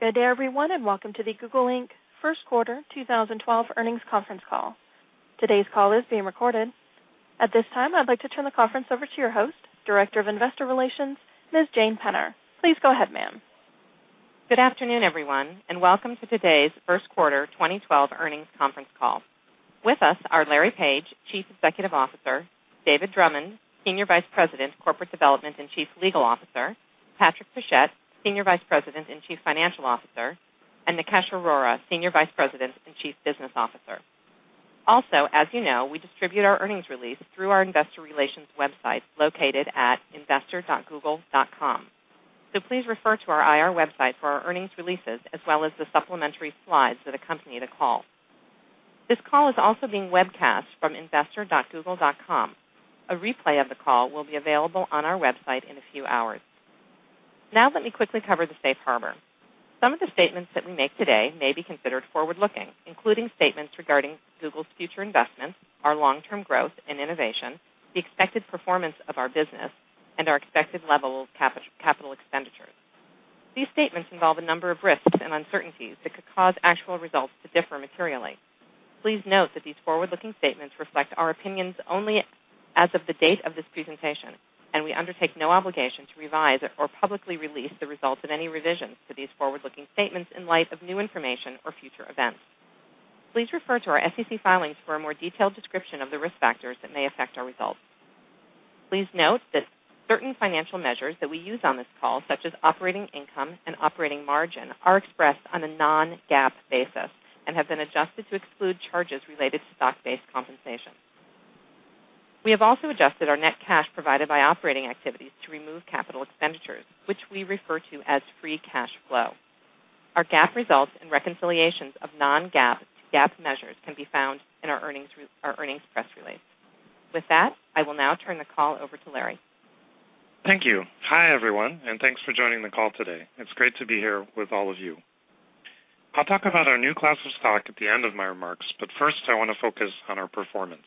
Good day, everyone, and welcome to the Google Inc. First Quarter 2012 Earnings Conference Call. Today's call is being recorded. At this time, I'd like to turn the conference over to your host, Director of Investor Relations, Ms. Jane Penner. Please go ahead, ma'am. Good afternoon, everyone, and welcome to today's First Quarter 2012 Earnings Conference Call. With us are Larry Page, Chief Executive Officer; David Drummond, Senior Vice President, Corporate Development and Chief Legal Officer; Patrick Pichette, Senior Vice President and Chief Financial Officer; and Nikesh Arora, Senior Vice President and Chief Business Officer. Also, as you know, we distribute our earnings release through our Investor Relations website located at investor.google.com. Please refer to our IR website for our earnings releases, as well as the supplementary slides that accompany the call. This call is also being webcast from investor.google.com. A replay of the call will be available on our website in a few hours. Now, let me quickly cover the safe harbor. Some of the statements that we make today may be considered forward-looking, including statements regarding Google's future investments, our long-term growth and innovation, the expected performance of our business, and our expected level of capital expenditures. These statements involve a number of risks and uncertainties that could cause actual results to differ materially. Please note that these forward-looking statements reflect our opinions only as of the date of this presentation, and we undertake no obligation to revise or publicly release the results of any revisions to these forward-looking statements in light of new information or future events. Please refer to our SEC filings for a more detailed description of the risk factors that may affect our results. Please note that certain financial measures that we use on this call, such as operating income and operating margin, are expressed on a non-GAAP basis and have been adjusted to exclude charges related to stock-based compensation. We have also adjusted our net cash provided by operating activities to remove capital expenditures, which we refer to as free cash flow. Our GAAP results and reconciliations of non-GAAP to GAAP measures can be found in our earnings press release. With that, I will now turn the call over to Larry. Thank you. Hi, everyone, and thanks for joining the call today. It's great to be here with all of you. I'll talk about our new class of stock at the end of my remarks, but first, I want to focus on our performance.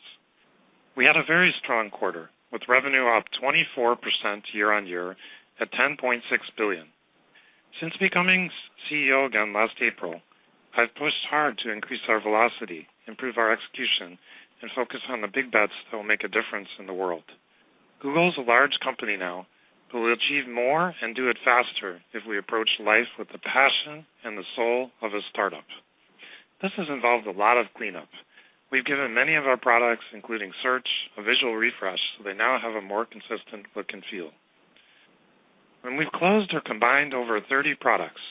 We had a very strong quarter, with revenue up 24% year-on-year at $10.6 billion. Since becoming CEO again last April, I've pushed hard to increase our velocity, improve our execution, and focus on the big bets that will make a difference in the world. Google is a large company now, but we'll achieve more and do it faster if we approach life with the passion and the soul of a startup. This has involved a lot of cleanup. We've given many of our products, including Search, a visual refresh, so they now have a more consistent look and feel. We've closed or combined over 30 products.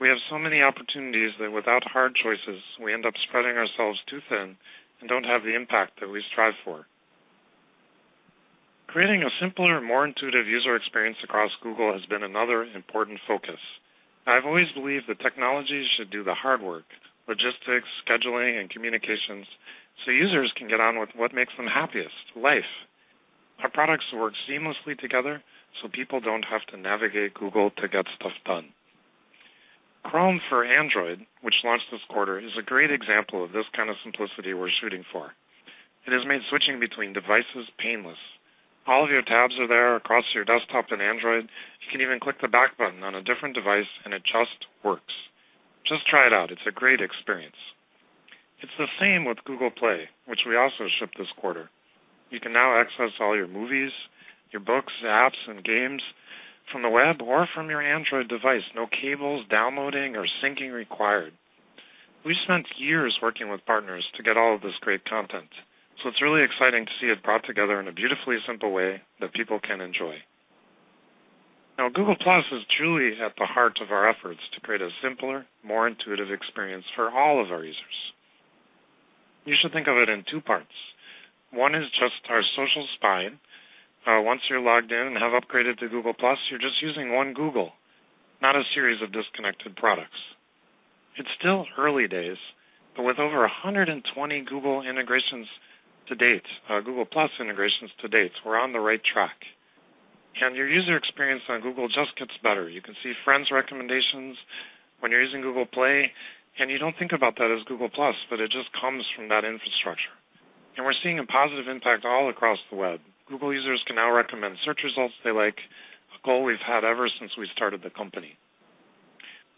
We have so many opportunities that, without hard choices, we end up spreading ourselves too thin and don't have the impact that we strive for. Creating a simpler, more intuitive user experience across Google has been another important focus. I've always believed that technology should do the hard work: logistics, scheduling, and communications, so users can get on with what makes them happiest: life. Our products work seamlessly together, so people don't have to navigate Google to get stuff done. Chrome for Android, which launched this quarter, is a great example of this kind of simplicity we're shooting for. It has made switching between devices painless. All of your tabs are there across your desktop and Android. You can even click the back button on a different device, and it just works. Just try it out. It's a great experience. It's the same with Google Play, which we also shipped this quarter. You can now access all your movies, your books, apps, and games from the web or from your Android device. No cables, downloading, or syncing required. We spent years working with partners to get all of this great content, so it's really exciting to see it brought together in a beautifully simple way that people can enjoy. Now, Google+ is truly at the heart of our efforts to create a simpler, more intuitive experience for all of our users. You should think of it in two parts. One is just our social spine. Once you're logged in and have upgraded to Google+, you're just using one Google, not a series of disconnected products. It's still early days, but with over 120 Google+ integrations to date, we're on the right track. Your user experience on Google just gets better. You can see friends' recommendations when you're using Google Play, and you don't think about that as Google+, but it just comes from that infrastructure. We're seeing a positive impact all across the web. Google users can now recommend search results they like, a goal we've had ever since we started the company.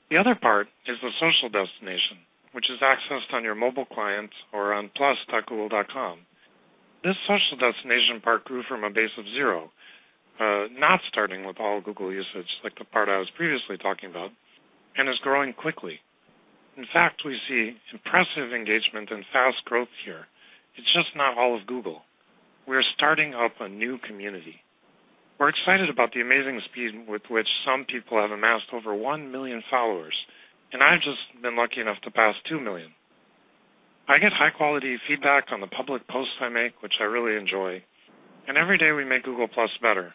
The other part is the social destination, which is accessed on your mobile client or on plus.google.com. This social destination part grew from a base of zero, not starting with all Google usage, like the part I was previously talking about, and is growing quickly. In fact, we see impressive engagement and fast growth here. It's just not all of Google. We are starting up a new community. We're excited about the amazing speed with which some people have amassed over 1 million followers, and I've just been lucky enough to pass 2 million. I get high-quality feedback on the public posts I make, which I really enjoy. Every day, we make Google+ better.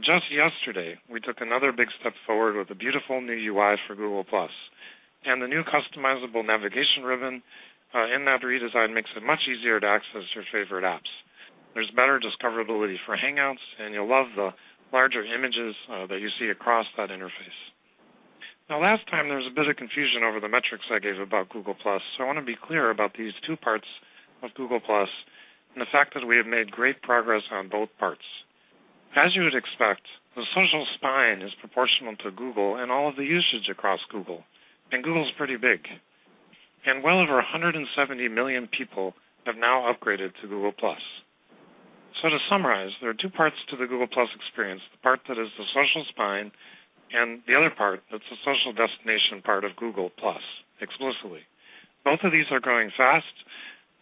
Just yesterday, we took another big step forward with a beautiful new UI for Google+. The new customizable navigation ribbon in that redesign makes it much easier to access your favorite apps. There's better discoverability for Hangouts, and you'll love the larger images that you see across that interface. Last time, there was a bit of confusion over the metrics I gave about Google+, so I want to be clear about these two parts of Google+ and the fact that we have made great progress on both parts. As you would expect, the social spine is proportional to Google and all of the usage across Google. Google's pretty big. Well over 170 million people have now upgraded to Google+. To summarize, there are two parts to the Google+ experience: the part that is the social spine and the other part that's the social destination part of Google+ explicitly. Both of these are growing fast,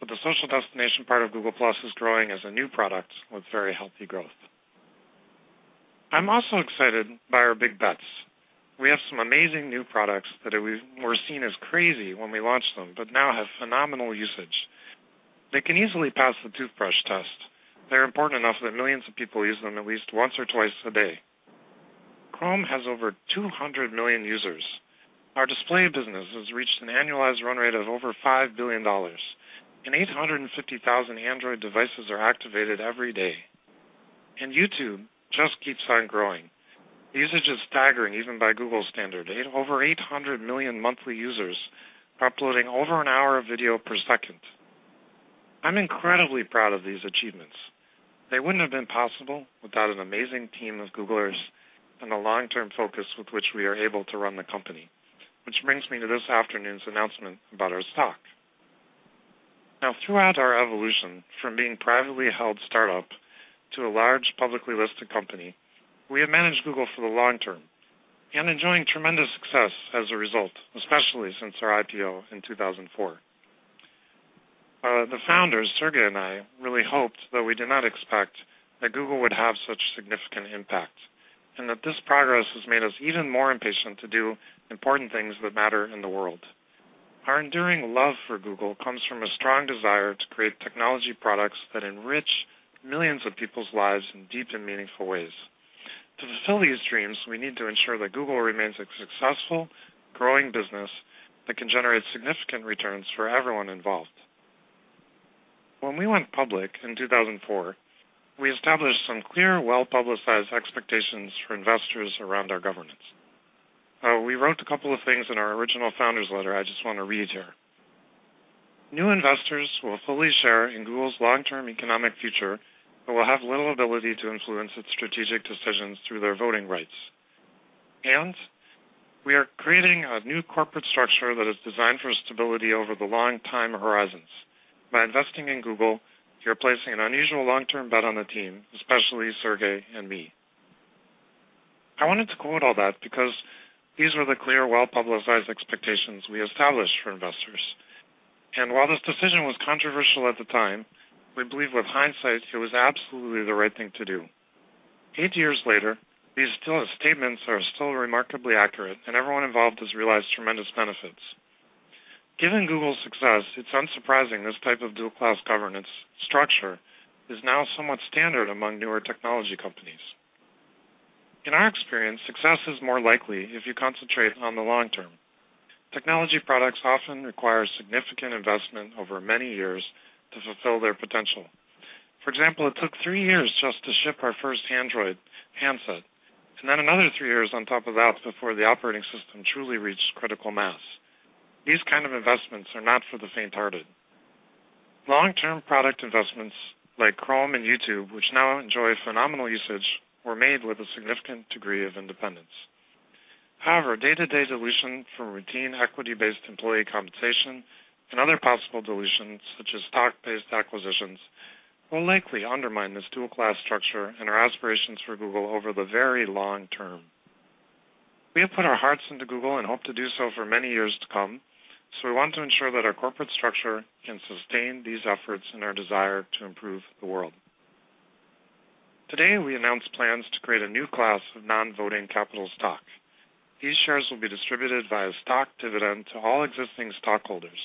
but the social destination part of Google+ is growing as a new product with very healthy growth. I'm also excited by our big bets. We have some amazing new products that were seen as crazy when we launched them, but now have phenomenal usage. They can easily pass the toothbrush test. They're important enough that millions of people use them at least once or twice a day. Chrome has over 200 million users. Our display business has reached an annualized run rate of over $5 billion, and 850,000 Android devices are activated every day. YouTube just keeps on growing. The usage is staggering, even by Google's standard. Over 800 million monthly users upload over an hour of video per second. I'm incredibly proud of these achievements. They wouldn't have been possible without an amazing team of Googlers and the long-term focus with which we are able to run the company, which brings me to this afternoon's announcement about our stock. Throughout our evolution from being a privately held startup to a large publicly listed company, we have managed Google for the long term and enjoyed tremendous success as a result, especially since our IPO in 2004. The founders, Sergey and I, really hoped that we did not expect that Google would have such significant impact, and that this progress has made us even more impatient to do important things that matter in the world. Our enduring love for Google comes from a strong desire to create technology products that enrich millions of people's lives in deep and meaningful ways. To fulfill these dreams, we need to ensure that Google remains a successful, growing business that can generate significant returns for everyone involved. When we went public in 2004, we established some clear, well-publicized expectations for investors around our governance. We wrote a couple of things in our original founders' letter I just want to read here. New investors will fully share in Google's long-term economic future and will have little ability to influence its strategic decisions through their voting rights. We are creating a new corporate structure that is designed for stability over the long-time horizons. By investing in Google, you're placing an unusual long-term bet on the team, especially Sergey and me. I wanted to quote all that because these are the clear, well-publicized expectations we established for investors. While this decision was controversial at the time, we believe with hindsight, it was absolutely the right thing to do. Eight years later, these statements are still remarkably accurate, and everyone involved has realized tremendous benefits. Given Google's success, it's unsurprising this type of dual-class governance structure is now somewhat standard among newer technology companies. In our experience, success is more likely if you concentrate on the long term. Technology products often require significant investment over many years to fulfill their potential. For example, it took three years just to ship our first Android handset, and then another three years on top of that before the operating system truly reached critical mass. These kinds of investments are not for the faint-hearted. Long-term product investments like Chrome and YouTube, which now enjoy phenomenal usage, were made with a significant degree of independence. However, day-to-day dilution from routine equity-based employee compensation and other possible dilutions, such as stock-based acquisitions, will likely undermine this dual-class structure and our aspirations for Google over the very long term. We have put our hearts into Google and hope to do so for many years to come, so we want to ensure that our corporate structure can sustain these efforts and our desire to improve the world. Today, we announced plans to create a new class of non-voting capital stock. These shares will be distributed via stock dividend to all existing stockholders.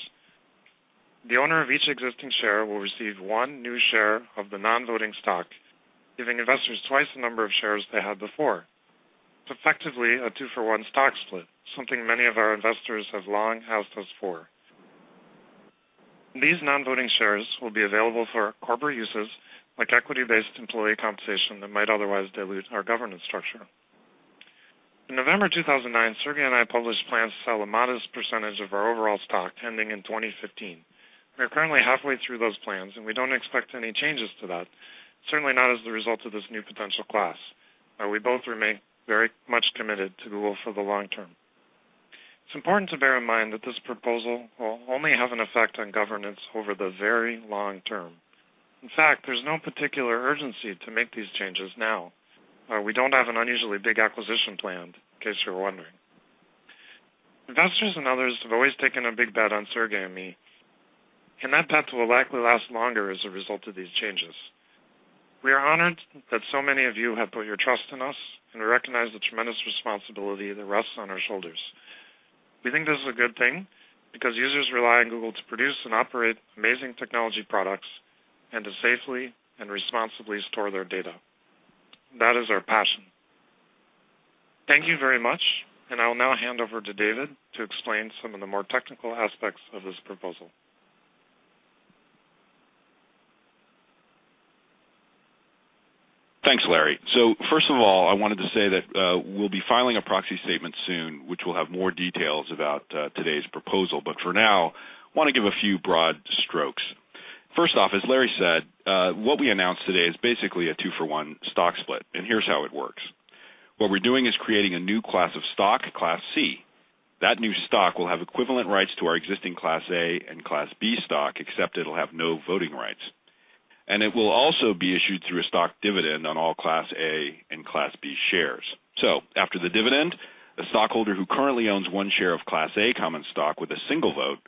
The owner of each existing share will receive one new share of the non-voting stock, giving investors twice the number of shares they had before, effectively a two-for-one stock split, something many of our investors have long asked us for. These non-voting shares will be available for corporate uses, like equity-based employee compensation that might otherwise dilute our governance structure. In November 2009, Sergey and I published plans to sell a modest % of our overall stock, ending in 2015. We're currently halfway through those plans, and we don't expect any changes to that, certainly not as the result of this new potential class. We both remain very much committed to Google for the long term. It's important to bear in mind that this proposal will only have an effect on governance over the very long term. In fact, there's no particular urgency to make these changes now. We don't have an unusually big acquisition planned, in case you were wondering. Investors and others have always taken a big bet on Sergey and me, and that bet will likely last longer as a result of these changes. We are honored that so many of you have put your trust in us, and we recognize the tremendous responsibility that rests on our shoulders. We think this is a good thing because users rely on Google to produce and operate amazing technology products and to safely and responsibly store their data. That is our passion. Thank you very much, and I'll now hand over to David to explain some of the more technical aspects of this proposal. Thanks, Larry. First of all, I wanted to say that we'll be filing a proxy statement soon, which will have more details about today's proposal. For now, I want to give a few broad strokes. First off, as Larry said, what we announced today is basically a two-for-one stock split, and here's how it works. What we're doing is creating a new class of stock, Class C. That new stock will have equivalent rights to our existing Class A and Class B stock, except it'll have no voting rights. It will also be issued through a stock dividend on all Class A and Class B shares. After the dividend, a stockholder who currently owns one share of Class A common stock with a single vote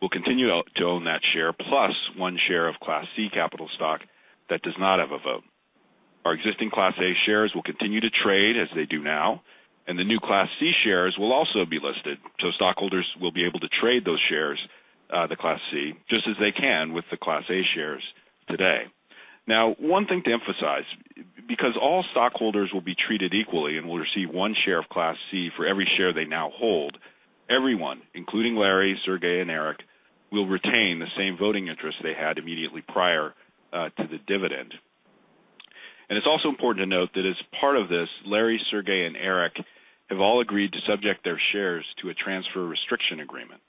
will continue to own that share, plus one share of Class C capital stock that does not have a vote. Our existing Class A shares will continue to trade as they do now, and the new Class C shares will also be listed. Stockholders will be able to trade those shares, the Class C, just as they can with the Class A shares today. One thing to emphasize, because all stockholders will be treated equally and will receive one share of Class C for every share they now hold, everyone, including Larry, Sergey, and Eric, will retain the same voting interest they had immediately prior to the dividend. It's also important to note that as part of this, Larry, Sergey, and Eric have all agreed to subject their shares to a transfer restriction agreement.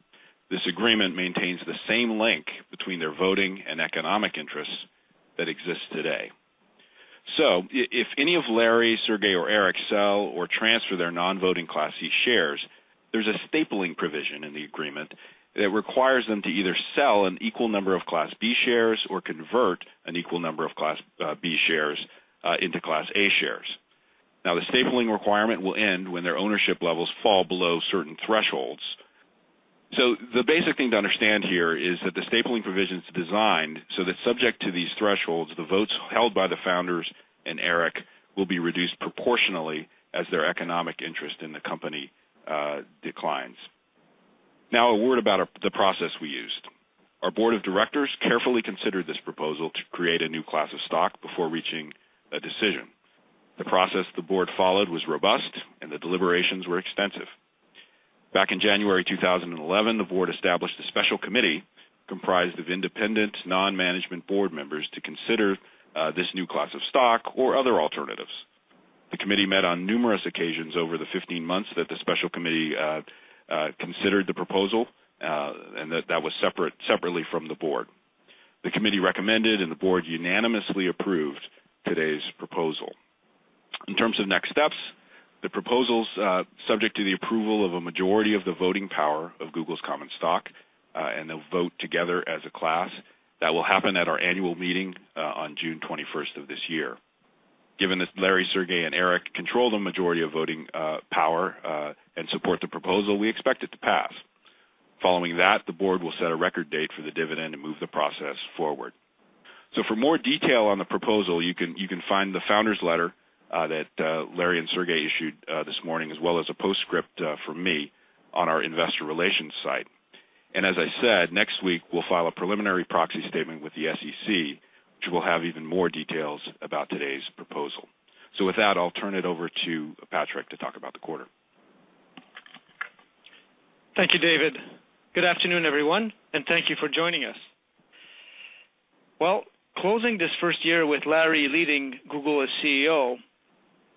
This agreement maintains the same link between their voting and economic interests that exist today. If any of Larry, Sergey, or Eric sell or transfer their non-voting Class C shares, there's a stapling provision in the agreement that requires them to either sell an equal number of Class B shares or convert an equal number of Class B shares into Class A shares. The stapling requirement will end when their ownership levels fall below certain thresholds. The basic thing to understand here is that the stapling provision is designed so that subject to these thresholds, the votes held by the founders and Eric will be reduced proportionally as their economic interest in the company declines. A word about the process we used. Our Board of Directors carefully considered this proposal to create a new class of stock before reaching a decision. The process the Board followed was robust, and the deliberations were extensive. Back in January 2011, the board established a special committee comprised of independent non-management board members to consider this new class of stock or other alternatives. The committee met on numerous occasions over the 15 months that the special committee considered the proposal, and that was separately from the board. The committee recommended, and the board unanimously approved today's proposal. In terms of next steps, the proposal's subject to the approval of a majority of the voting power of Google's common stock, and they'll vote together as a class. That will happen at our annual meeting on June 21st of this year. Given that Larry, Sergey, and Eric control the majority of voting power and support the proposal, we expect it to pass. Following that, the board will set a record date for the dividend and move the process forward. For more detail on the proposal, you can find the founders' letter that Larry and Sergey issued this morning, as well as a postscript from me on our Investor Relations site. Next week, we'll file a preliminary proxy statement with the SEC, which will have even more details about today's proposal. I'll turn it over to Patrick to talk about the quarter. Thank you, David. Good afternoon, everyone, and thank you for joining us. Closing this first year with Larry leading Google as CEO,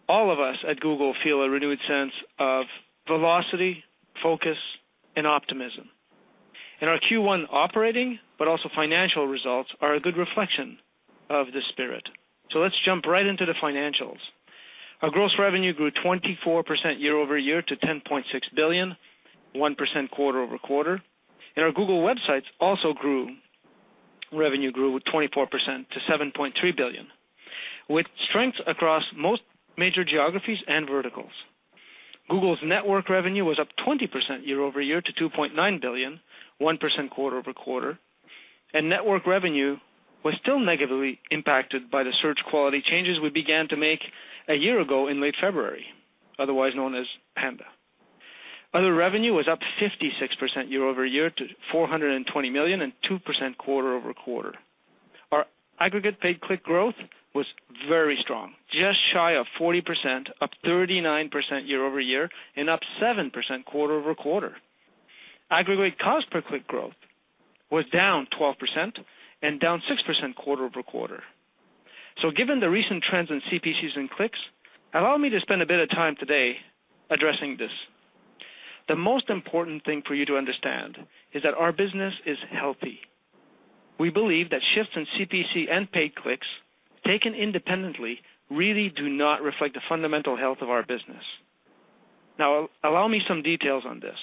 all of us at Google feel a renewed sense of velocity, focus, and optimism. Our Q1 operating, but also financial results, are a good reflection of this spirit. Let's jump right into the financials. Our gross revenue grew 24% year-over-year to $10.6 billion, 1% quarter-over-quarter. Our Google websites also grew revenue with 24% to $7.3 billion, with strength across most major geographies and verticals. Google's network revenue was up 20% year-over-year to $2.9 billion, 1% quarter-over-quarter. Network revenue was still negatively impacted by the search quality changes we began to make a year ago in late February, otherwise known as Panda. Other revenue was up 56% year-over-year to $420 million and 2% quarter-over-quarter. Our aggregate paid-click growth was very strong, just shy of 40%, up 39% year-over-year, and up 7% quarter-over-quarter. Aggregate cost per click growth was down 12% and down 6% quarter-over-quarter. Given the recent trends in CPCs and clicks, allow me to spend a bit of time today addressing this. The most important thing for you to understand is that our business is healthy. We believe that shifts in CPC and paid clicks, taken independently, really do not reflect the fundamental health of our business. Allow me some details on this.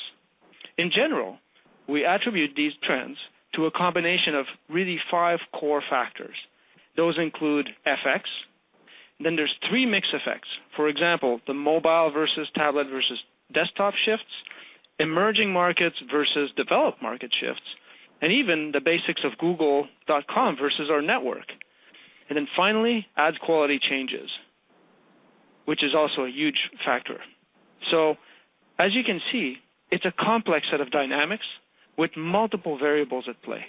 In general, we attribute these trends to a combination of really five core factors. Those include FX. Then there's three mixed effects. For example, the mobile versus tablet versus desktop shifts, emerging markets versus developed market shifts, and even the basics of Google.com versus our network. Finally, ads quality changes, which is also a huge factor. As you can see, it's a complex set of dynamics with multiple variables at play.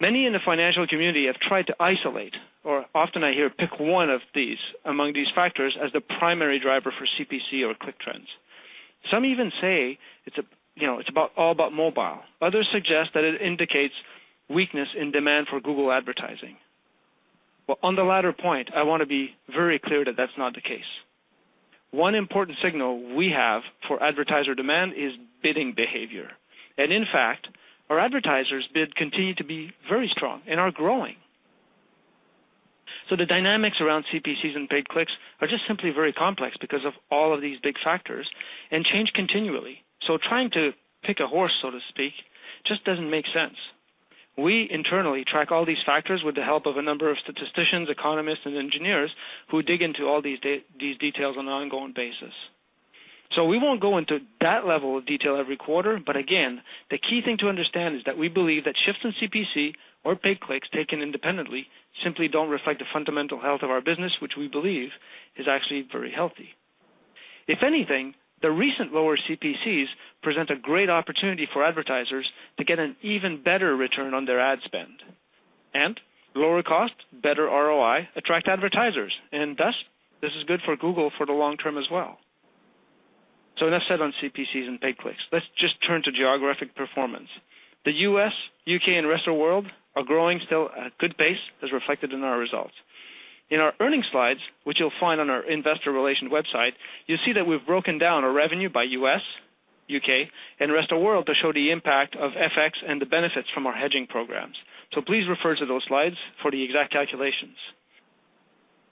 Many in the financial community have tried to isolate, or often I hear pick one of these among these factors as the primary driver for CPC or click trends. Some even say it's all about mobile. Others suggest that it indicates weakness in demand for Google advertising. On the latter point, I want to be very clear that that's not the case. One important signal we have for advertiser demand is bidding behavior. In fact, our advertisers bid continue to be very strong and are growing. The dynamics around CPCs and paid clicks are just simply very complex because of all of these big factors and change continually. Trying to pick a horse, so to speak, just doesn't make sense. We internally track all these factors with the help of a number of statisticians, economists, and engineers who dig into all these details on an ongoing basis. We won't go into that level of detail every quarter. The key thing to understand is that we believe that shifts in CPC or paid clicks, taken independently, simply don't reflect the fundamental health of our business, which we believe is actually very healthy. If anything, the recent lower CPCs present a great opportunity for advertisers to get an even better return on their ad spend. Lower cost, better ROI attract advertisers, and thus, this is good for Google for the long term as well. Enough said on CPCs and paid clicks. Let's just turn to geographic performance. The U.S., U.K., and the rest of the world are growing still at a good pace, as reflected in our results. In our earnings slides, which you'll find on our Investor Relations website, you'll see that we've broken down our revenue by U.S., U.K., and the rest of the world to show the impact of FX and the benefits from our hedging programs. Please refer to those slides for the exact calculations.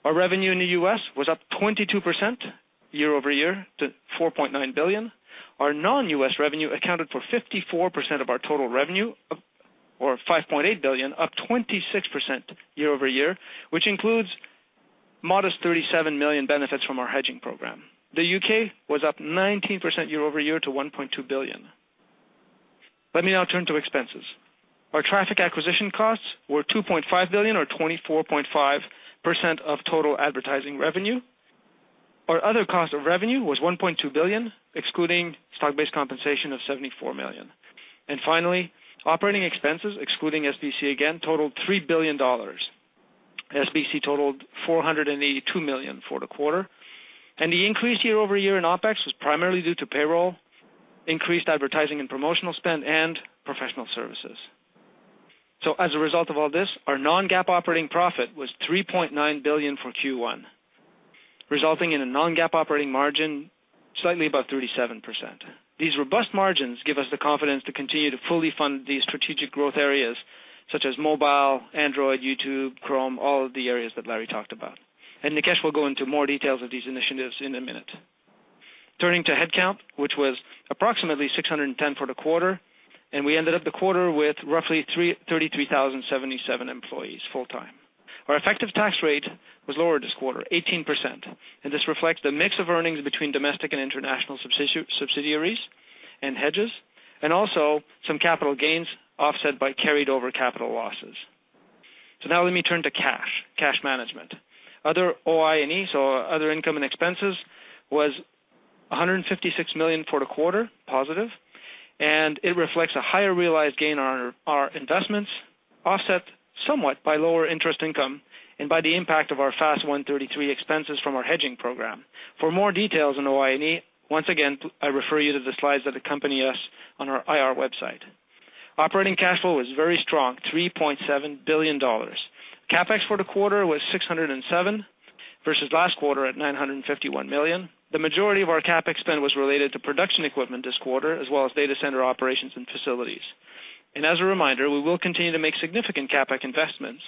Our revenue in the U.S. was up 22% year-over-year to $4.9 billion. Our non-U.S. revenue accounted for 54% of our total revenue, or $5.8 billion, up 26% year-over-year, which includes a modest $37 million benefit from our hedging program. The U.K. was up 19% year-over-year to $1.2 billion. Let me now turn to expenses. Our traffic acquisition costs were $2.5 billion, or 24.5% of total advertising revenue. Our other cost of revenue was $1.2 billion, excluding stock-based compensation of $74 million. Finally, operating expenses, excluding SBC again, totaled $3 billion. SBC totaled $482 million for the quarter. The increase year-over-year in OpEx was primarily due to payroll, increased advertising and promotional spend, and professional services. As a result of all this, our non-GAAP operating profit was $3.9 billion for Q1, resulting in a non-GAAP operating margin slightly above 37%. These robust margins give us the confidence to continue to fully fund these strategic growth areas, such as mobile, Android, YouTube, Chrome, all of the areas that Larry talked about. Nikesh will go into more details of these initiatives in a minute. Turning to headcount, which was approximately 610 for the quarter, and we ended up the quarter with roughly 33,077 employees full time. Our effective tax rate was lower this quarter, 18%. This reflects the mix of earnings between domestic and international subsidiaries and hedges, and also some capital gains offset by carried-over capital losses. Let me turn to cash, cash management. Other OI&E, so other income and expenses, was $156 million for the quarter, positive. It reflects a higher realized gain on our investments, offset somewhat by lower interest income and by the impact of our FAS 133 expenses from our hedging program. For more details on OI&E, once again, I refer you to the slides that accompany us on our IR website. Operating cash flow was very strong, $3.7 billion. CapEx for the quarter was $607 million versus last quarter at $951 million. The majority of our CapEx spend was related to production equipment this quarter, as well as data center operations and facilities. As a reminder, we will continue to make significant CapEx investments,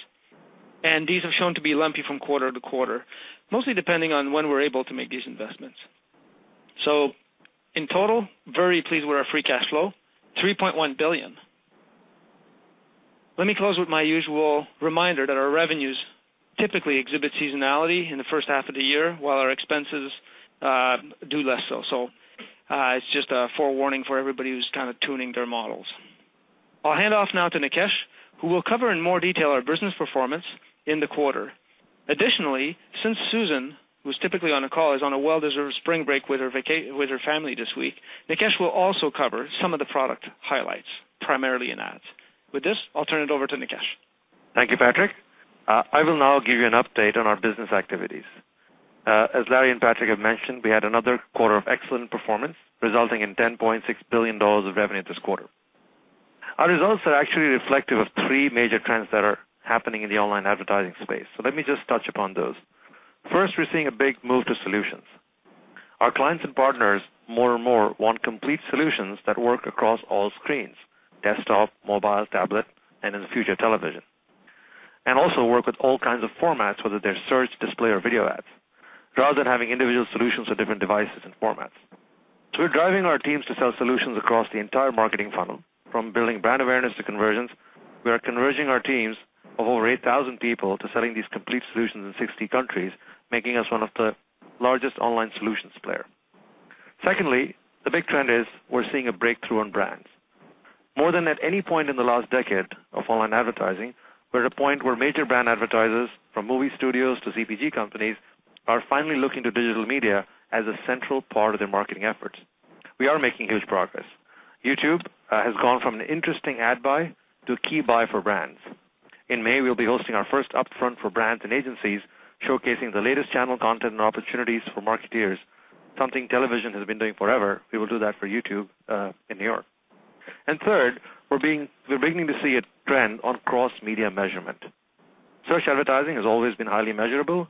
and these have shown to be lumpy from quarter to quarter, mostly depending on when we're able to make these investments. In total, very pleased with our free cash flow, $3.1 billion. Let me close with my usual reminder that our revenues typically exhibit seasonality in the first half of the year, while our expenses do less so. It's just a forewarning for everybody who's kind of tuning their models. I'll hand off now to Nikesh, who will cover in more detail our business performance in the quarter. Additionally, since Susan, who's typically on the call, is on a well-deserved spring break with her family this week, Nikesh will also cover some of the product highlights, primarily in ads. With this, I'll turn it over to Nikesh. Thank you, Patrick. I will now give you an update on our business activities. As Larry and Patrick have mentioned, we had another quarter of excellent performance, resulting in $10.6 billion of revenue this quarter. Our results are actually reflective of three major trends that are happening in the online advertising space. Let me just touch upon those. First, we're seeing a big move to solutions. Our clients and partners, more and more, want complete solutions that work across all screens: desktop, mobile, tablet, and in the future, television. They also work with all kinds of formats, whether they're search, display, or video ads, rather than having individual solutions for different devices and formats. We're driving our teams to sell solutions across the entire marketing funnel, from building brand awareness to conversions. We are converging our teams of over 8,000 people to selling these complete solutions in 60 countries, making us one of the largest online solutions players. Secondly, the big trend is we're seeing a breakthrough in brands. More than at any point in the last decade of online advertising, we're at a point where major brand advertisers, from movie studios to CPG companies, are finally looking to digital media as a central part of their marketing efforts. We are making huge progress. YouTube has gone from an interesting ad buy to a key buy for brands. In May, we'll be hosting our first Upfront for brands and agencies, showcasing the latest channel content and opportunities for marketeers, something television has been doing forever. We will do that for YouTube in New York. Third, we're beginning to see a trend on cross-media measurement. Search advertising has always been highly measurable,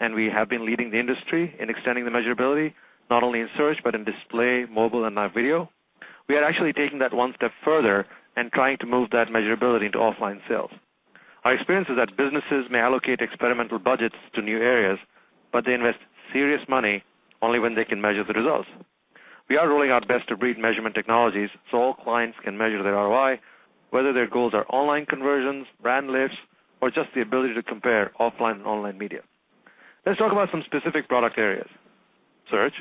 and we have been leading the industry in extending the measurability, not only in search, but in display, mobile, and live video. We are actually taking that one step further and trying to move that measurability into offline sales. Our experience is that businesses may allocate experimental budgets to new areas, but they invest serious money only when they can measure the results. We are rolling out best-of-breed measurement technologies so all clients can measure their ROI, whether their goals are online conversions, brand lifts, or just the ability to compare offline and online media. Let's talk about some specific product areas. Search.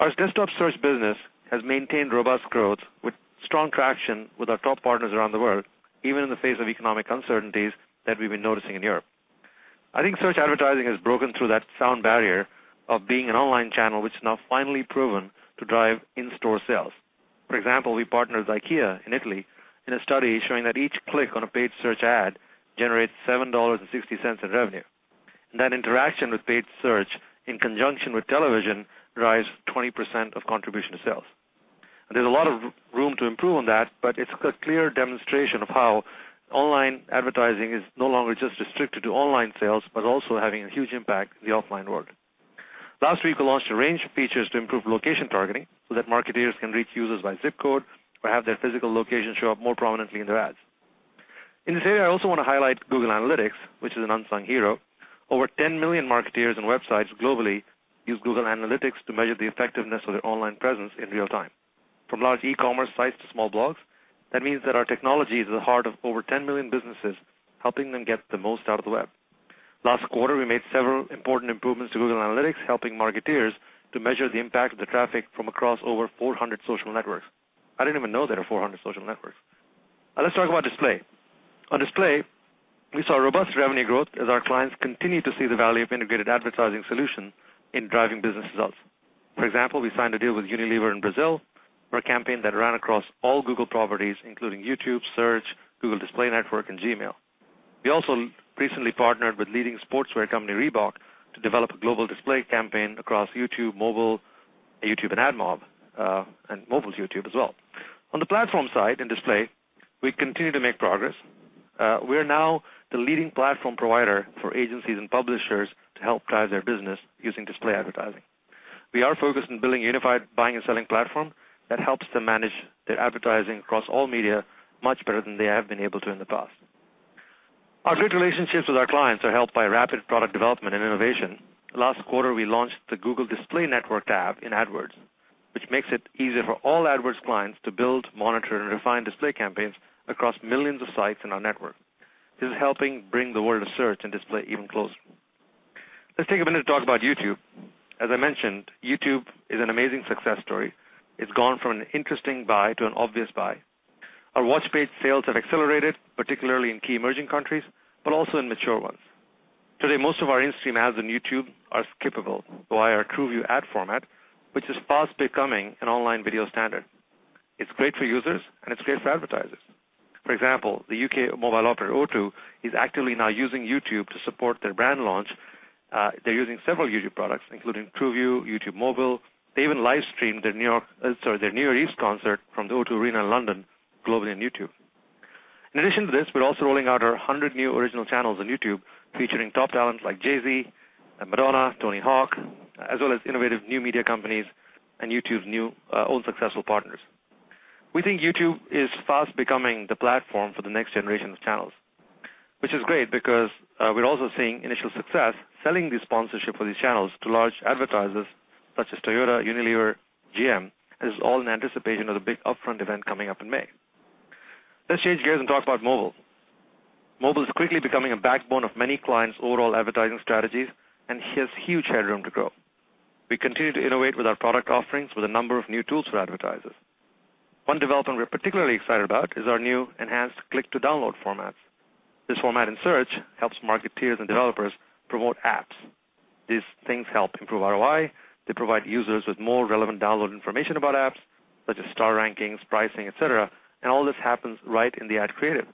Our desktop search business has maintained robust growth with strong traction with our top partners around the world, even in the face of economic uncertainties that we've been noticing in Europe. I think search advertising has broken through that sound barrier of being an online channel which is now finally proven to drive in-store sales. For example, we partnered with IKEA in Italy in a study showing that each click on a paid search ad generates $7.60 in revenue. That interaction with paid search in conjunction with television drives 20% of contribution to sales. There's a lot of room to improve on that, but it's a clear demonstration of how online advertising is no longer just restricted to online sales, but also having a huge impact in the offline world. Last week, we launched a range of features to improve location targeting so that marketers can reach users by zip code or have their physical location show up more prominently in their ads. In this area, I also want to highlight Google Analytics, which is an unsung hero. Over 10 million marketers and websites globally use Google Analytics to measure the effectiveness of their online presence in real time. From large e-commerce sites to small blogs, that means that our technology is at the heart of over 10 million businesses, helping them get the most out of the web. Last quarter, we made several important improvements to Google Analytics, helping marketers to measure the impact of the traffic from across over 400 social networks. I didn't even know there were 400 social networks. Let's talk about display. On display, we saw robust revenue growth as our clients continued to see the value of integrated advertising solutions in driving business results. For example, we signed a deal with Unilever in Brazil for a campaign that ran across all Google properties, including YouTube, Search, Google Display Network, and Gmail. We also recently partnered with leading sportswear company, Reebok, to develop a global display campaign across YouTube, mobile, YouTube, and AdMob, and mobile's YouTube as well. On the platform side in display, we continue to make progress. We are now the leading platform provider for agencies and publishers to help drive their business using display advertising. We are focused on building a unified buying and selling platform that helps them manage their advertising across all media much better than they have been able to in the past. Our great relationships with our clients are helped by rapid product development and innovation. Last quarter, we launched the Google Display Network tab in AdWords, which makes it easier for all AdWords clients to build, monitor, and refine display campaigns across millions of sites in our network. This is helping bring the world of search and display even closer. Let's take a minute to talk about YouTube. As I mentioned, YouTube is an amazing success story. It's gone from an interesting buy to an obvious buy. Our watch page sales have accelerated, particularly in key emerging countries, but also in mature ones. Today, most of our in-stream ads on YouTube are capable via our TrueView ad format, which is fast becoming an online video standard. It's great for users, and it's great for advertisers. For example, the U.K. mobile operator O2 is actively now using YouTube to support their brand launch. They're using several YouTube products, including TrueView, YouTube Mobile. They even live-streamed their New Year's Eve concert from the O2 Arena in London globally on YouTube. In addition to this, we're also rolling out our 100 new original channels on YouTube, featuring top talents like Jay-Z, Madonna, Tony Hawk, as well as innovative new media companies and YouTube's own successful partners. We think YouTube is fast becoming the platform for the next generation of channels, which is great because we're also seeing initial success selling the sponsorship for these channels to large advertisers such as Toyota, Unilever, and GM. This is all in anticipation of the big Upfront event coming up in May. Let's change gears and talk about mobile. Mobile is quickly becoming a backbone of many clients' overall advertising strategies and has huge headroom to grow. We continue to innovate with our product offerings with a number of new tools for advertisers. One development we're particularly excited about is our new enhanced click-to-download formats. This format in search helps marketers and developers promote apps. These things help improve ROI. They provide users with more relevant download information about apps, such as star rankings, pricing, etc. All this happens right in the ad creative.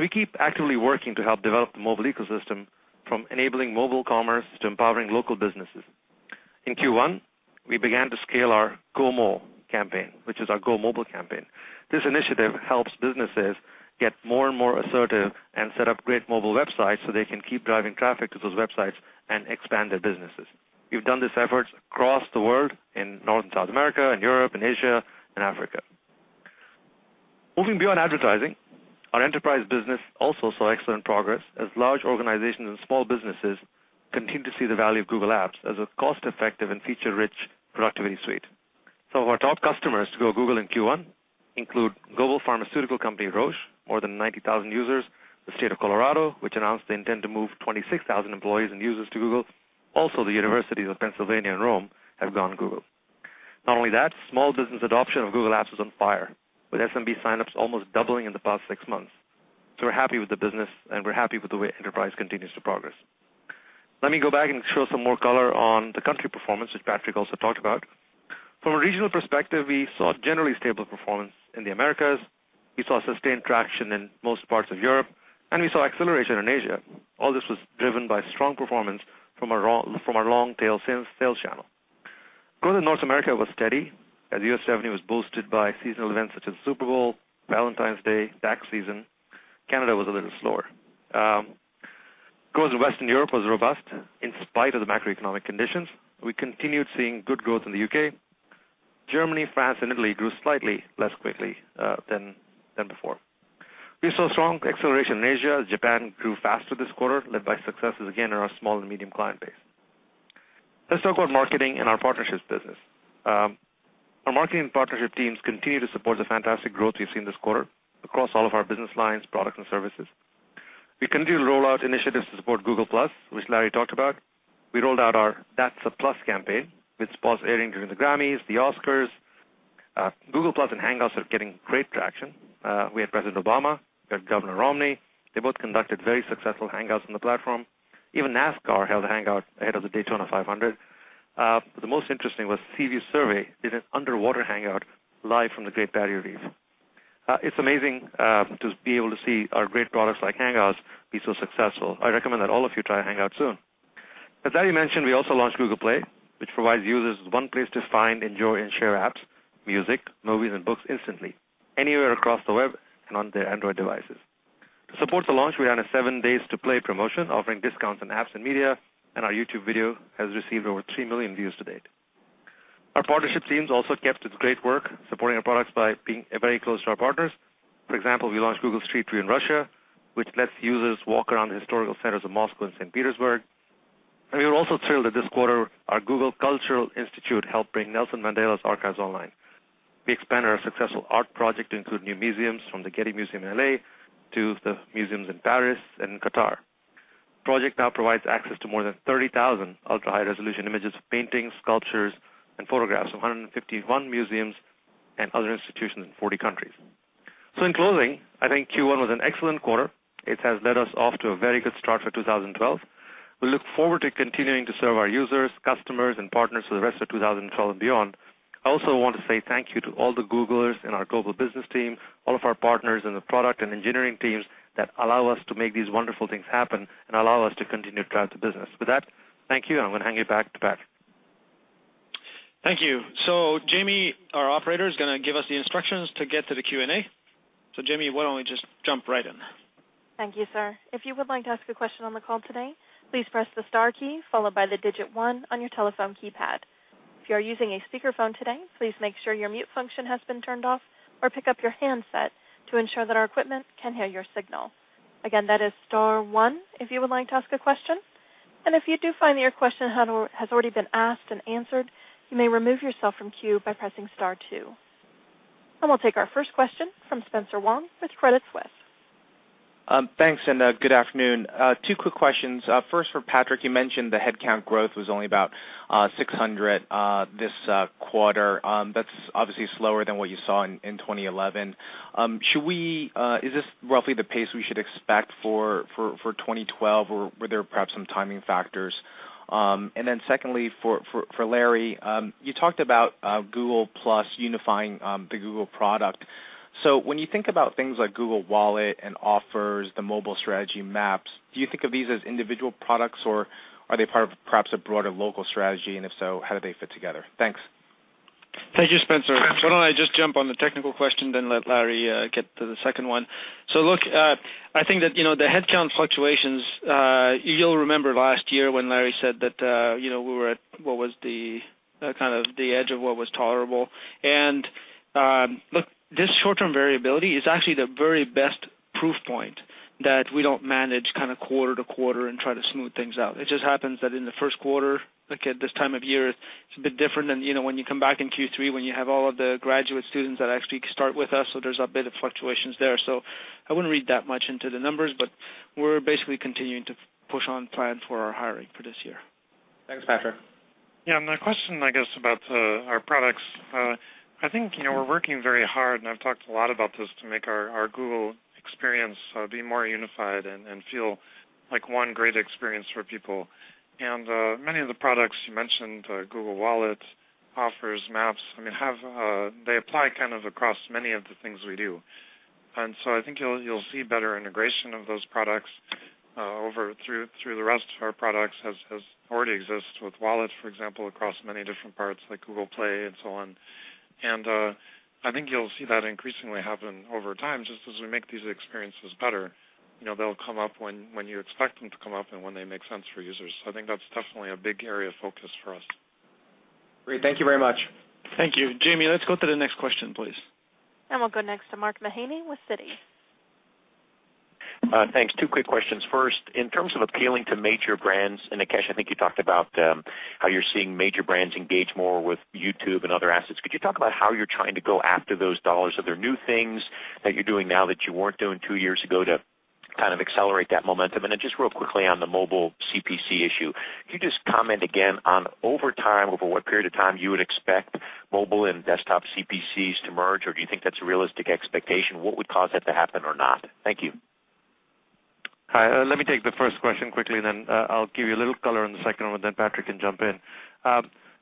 We keep actively working to help develop the mobile ecosystem, from enabling mobile commerce to empowering local businesses. In Q1, we began to scale our GoMo campaign, which is our Go Mobile campaign. This initiative helps businesses get more and more assertive and set up great mobile websites so they can keep driving traffic to those websites and expand their businesses. We've done these efforts across the world in North and South America, in Europe, in Asia, and Africa. Moving beyond advertising, our enterprise business also saw excellent progress as large organizations and small businesses continue to see the value of Google Apps as a cost-effective and feature-rich productivity suite. Some of our top customers to go Google in Q1 include global pharmaceutical company Roche, more than 90,000 users; the state of Colorado, which announced the intent to move 26,000 employees and users to Google; also, the universities of Pennsylvania and Rome have gone Google. Not only that, small business adoption of Google Apps is on fire, with SMB signups almost doubling in the past six months. We're happy with the business, and we're happy with the way enterprise continues to progress. Let me go back and show some more color on the country performance, which Patrick also talked about. From a regional perspective, we saw generally stable performance in the Americas. We saw sustained traction in most parts of Europe, and we saw acceleration in Asia. All this was driven by strong performance from our long-tail sales channel. Growth in North America was steady, as U.S. revenue was boosted by seasonal events such as the Super Bowl, Valentine's Day, and tax season. Canada was a little slower. Growth in Western Europe was robust in spite of the macroeconomic conditions. We continued seeing good growth in the UK. Germany, France, and Italy grew slightly less quickly than before. We saw strong acceleration in Asia. Japan grew faster this quarter, led by successes again in our small and medium client base. Let's talk about marketing and our partnerships business. Our marketing partnership teams continue to support the fantastic growth we've seen this quarter across all of our business lines, products, and services. We continue to roll out initiatives to support Google+, which Larry talked about. We rolled out our That's a Plus campaign, with spots airing during the Grammys, the Oscars. Google+ and Hangouts are getting great traction. We had President Obama, we had Governor Romney. They both conducted very successful Hangouts on the platform. Even NASCAR held a Hangout ahead of the Daytona 500. The most interesting was CV Survey, did an underwater Hangout live from the Great Barrier Reef. It's amazing to be able to see our great products like Hangouts be so successful. I recommend that all of you try Hangouts soon. As Larry mentioned, we also launched Google Play, which provides users with one place to find, enjoy, and share apps, music, movies, and books instantly anywhere across the web and on their Android devices. To support the launch, we ran a seven days-to-play promotion, offering discounts on apps and media, and our YouTube video has received over 3 million views to date. Our partnership teams also kept to its great work, supporting our products by being very close to our partners. For example, we launched Google Street View in Russia, which lets users walk around the historical centers of Moscow and St. Petersburg. We were also thrilled that this quarter, our Google Cultural Institute helped bring Nelson Mandela's archives online. We expanded our successful art project to include new museums, from the Getty Museum in LA to the museums in Paris and Qatar. The project now provides access to more than 30,000 ultra-high-resolution images of paintings, sculptures, and photographs from 151 museums and other institutions in 40 countries. In closing, I think Q1 was an excellent quarter. It has led us off to a very good start for 2012. We look forward to continuing to serve our users, customers, and partners for the rest of 2012 and beyond. I also want to say thank you to all the Googlers in our global business team, all of our partners in the product and engineering teams that allow us to make these wonderful things happen and allow us to continue to drive the business. With that, thank you, and I'm going to hand you back to Patrick. Thank you. Jamie, our operator, is going to give us the instructions to get to the Q&A. Jamie, why don't we just jump right in? Thank you, sir. If you would like to ask a question on the call today, please press the star key followed by the digit one on your telephone keypad. If you are using a speakerphone today, please make sure your mute function has been turned off or pick up your handset to ensure that our equipment can hear your signal. Again, that is star one if you would like to ask a question. If you do find that your question has already been asked and answered, you may remove yourself from queue by pressing star two. We'll take our first question from Spencer Wang with Credit Suisse. Thanks, and good afternoon. Two quick questions. First, for Patrick, you mentioned the headcount growth was only about 600 this quarter. That's obviously slower than what you saw in 2011. Is this roughly the pace we should expect for 2012, or were there perhaps some timing factors? Secondly, for Larry, you talked about Google+ unifying the Google product. When you think about things like Google Wallet and offers, the mobile strategy maps, do you think of these as individual products, or are they part of perhaps a broader local strategy? If so, how do they fit together? Thanks. Thank you, Spencer. Why don't I just jump on the technical question, then let Larry get to the second one? I think that the headcount fluctuations, you'll remember last year when Larry said that we were at what was kind of the edge of what was tolerable. This short-term variability is actually the very best proof point that we don't manage kind of quarter to quarter and try to smooth things out. It just happens that in the first quarter, at this time of year, it's a bit different than when you come back in Q3, when you have all of the graduate students that actually start with us. There's a bit of fluctuations there. I wouldn't read that much into the numbers, but we're basically continuing to push on plans for our hiring for this year. Thanks, Patrick. Yeah, a question, I guess, about our products. I think we're working very hard, and I've talked a lot about this, to make our Google experience be more unified and feel like one great experience for people. Many of the products you mentioned, Google Wallet, Offers, Maps, apply kind of across many of the things we do. I think you'll see better integration of those products through the rest of our products as already exists with Wallet, for example, across many different parts, like Google Play and so on. I think you'll see that increasingly happen over time, just as we make these experiences better. They'll come up when you expect them to come up and when they make sense for users. I think that's definitely a big area of focus for us. Great, thank you very much. Thank you. Jamie, let's go to the next question, please. We will go next to Mark Mahaney with Citi. Thanks. Two quick questions. First, in terms of appealing to major brands, and Nikesh, I think you talked about how you're seeing major brands engage more with YouTube and other assets. Could you talk about how you're trying to go after those dollars? Are there new things that you're doing now that you weren't doing two years ago to kind of accelerate that momentum? Real quickly on the mobile CPC issue, could you just comment again on over time, over what period of time you would expect mobile and desktop CPCs to merge, or do you think that's a realistic expectation? What would cause that to happen or not? Thank you. Hi, let me take the first question quickly, and then I'll give you a little color on the second one, and then Patrick can jump in.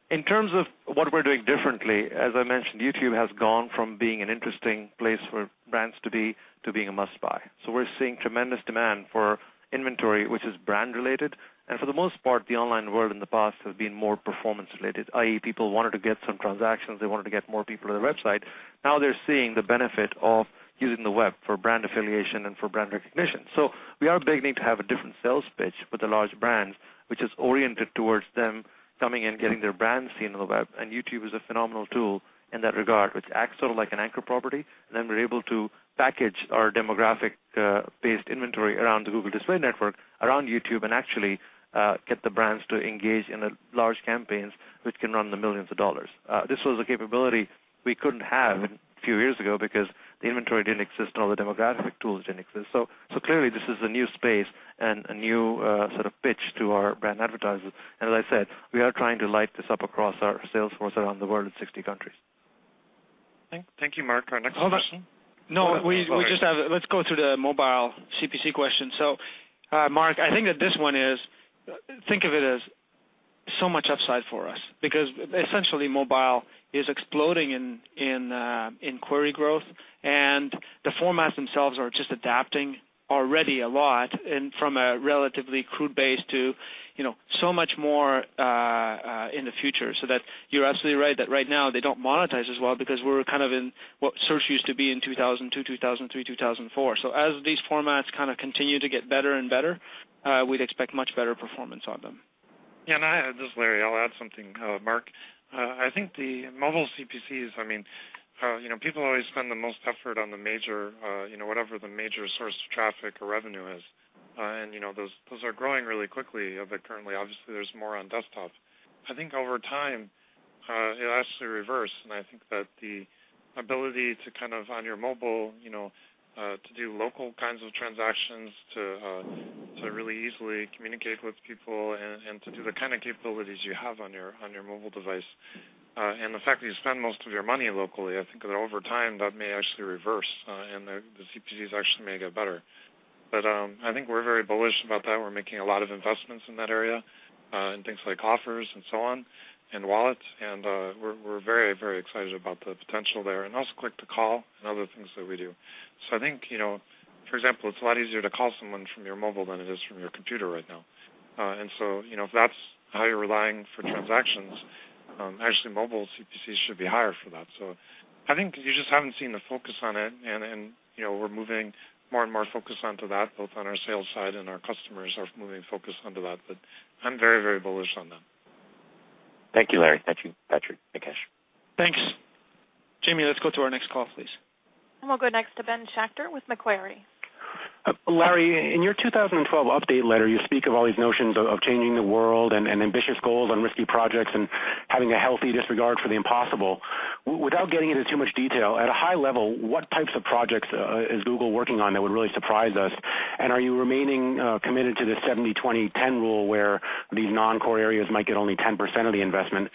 In terms of what we're doing differently, as I mentioned, YouTube has gone from being an interesting place for brands to be to being a must-buy. We're seeing tremendous demand for inventory, which is brand-related. For the most part, the online world in the past has been more performance-related, i.e., people wanted to get some transactions. They wanted to get more people to their website. Now they're seeing the benefit of using the web for brand affiliation and for brand recognition. We are beginning to have a different sales pitch with the large brands, which is oriented towards them coming and getting their brands seen on the web. YouTube is a phenomenal tool in that regard, which acts sort of like an anchor property. We're able to package our demographic-based inventory around the Google Display Network, around YouTube, and actually get the brands to engage in the large campaigns, which can run in the millions of dollars. This was a capability we couldn't have a few years ago because the inventory didn't exist and all the demographic tools didn't exist. Clearly, this is a new space and a new sort of pitch to our brand advertisers. As I said, we are trying to light this up across our sales force around the world in 60 countries. Thank you, Mark. Our next question? No, let's go through the mobile CPC question. Mark, I think that this one is, think of it as so much upside for us because essentially, mobile is exploding in query growth. The formats themselves are just adapting already a lot from a relatively crude base to so much more in the future. You're absolutely right that right now they don't monetize as well because we're kind of in what search used to be in 2002, 2003, 2004. As these formats continue to get better and better, we'd expect much better performance on them. Yeah, and this is Larry. I'll add something, Mark. I think the mobile CPCs, I mean, people always spend the most effort on the major, whatever the major source of traffic or revenue is, and those are growing really quickly. Currently, obviously, there's more on desktop. I think over time, it'll actually reverse. I think that the ability to kind of on your mobile to do local kinds of transactions, to really easily communicate with people, and to do the kind of capabilities you have on your mobile device, and the fact that you spend most of your money locally, I think that over time, that may actually reverse, and the CPCs actually may get better. I think we're very bullish about that. We're making a lot of investments in that area, in things like Offers and so on, and Wallet. We're very, very excited about the potential there. Also, click-to-call and other things that we do. For example, it's a lot easier to call someone from your mobile than it is from your computer right now. If that's how you're relying for transactions, actually, mobile CPCs should be higher for that. I think you just haven't seen the focus on it, and we're moving more and more focus onto that, both on our sales side and our customers are moving focus onto that. I'm very, very bullish on that. Thank you, Larry. Thank you, Patrick, Nikesh. Thanks. Jamie, let's go to our next call, please. We will go next to Ben Schachter with Macquarie. Larry, in your 2012 update letter, you speak of all these notions of changing the world and ambitious goals on risky projects and having a healthy disregard for the impossible. Without getting into too much detail, at a high level, what types of projects is Google working on that would really surprise us? Are you remaining committed to this 70/20/10 investment rule, where these non-core areas might get only 10% of the investment?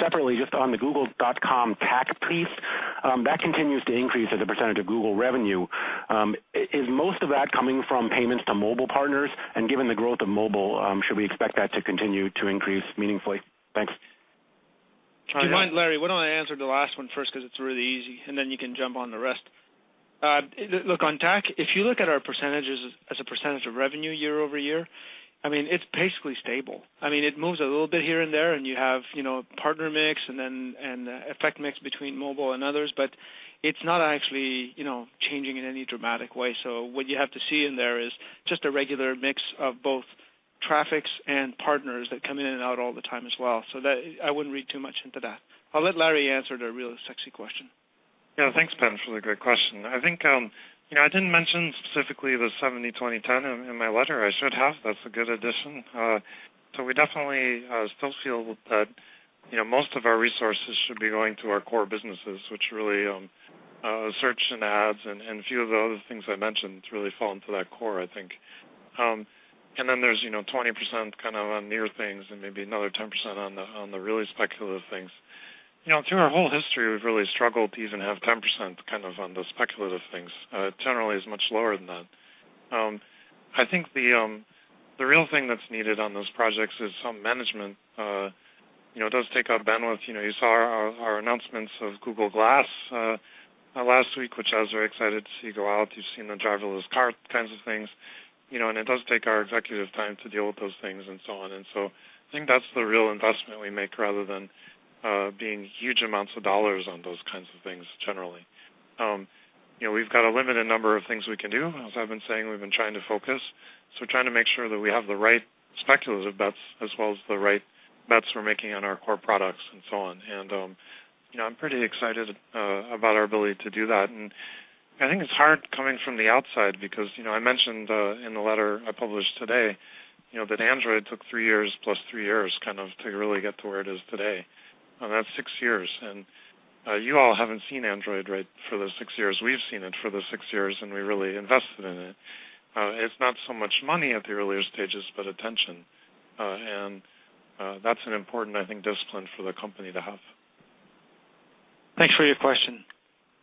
Separately, just on the Google.com tax piece, that continues to increase as a percentage of Google revenue. Is most of that coming from payments to mobile partners? Given the growth of mobile, should we expect that to continue to increase meaningfully? Thanks. Do you mind, Larry, why don't I answer the last one first because it's really easy, and then you can jump on the rest? Look, on tax, if you look at our percentages as a percent of revenue year-over-year, it's basically stable. It moves a little bit here and there, and you have a partner mix and an effect mix between mobile and others. It's not actually changing in any dramatic way. What you have to see in there is just a regular mix of both traffics and partners that come in and out all the time as well. I wouldn't read too much into that. I'll let Larry answer the really sexy question. Yeah, thanks, Ben. It's a really great question. I think I didn't mention specifically the 70/20/10 investment rule in my letter. I should have. That's a good addition. We definitely still feel that most of our resources should be going to our core businesses, which really are search and ads and a few of the other things I mentioned. It really falls to that core, I think. There's 20% on newer things and maybe another 10% on the really speculative things. Through our whole history, we've really struggled to even have 10% on the speculative things. It generally is much lower than that. I think the real thing that's needed on those projects is some management. It does take up bandwidth. You saw our announcements of Google Glass last week, which I was very excited to see go out. You've seen the driverless car kinds of things. It does take our executive time to deal with those things and so on. I think that's the real investment we make, rather than being huge amounts of dollars on those kinds of things generally. We've got a limited number of things we can do. As I've been saying, we've been trying to focus. We're trying to make sure that we have the right speculative bets, as well as the right bets we're making on our core products and so on. I'm pretty excited about our ability to do that. I think it's hard coming from the outside because I mentioned in the letter I published today that Android took three years plus three years to really get to where it is today. That's six years. You all haven't seen Android for the six years. We've seen it for the six years, and we really invested in it. It's not so much money at the earlier stages, but attention. That's an important, I think, discipline for the company to have. Thanks for your question,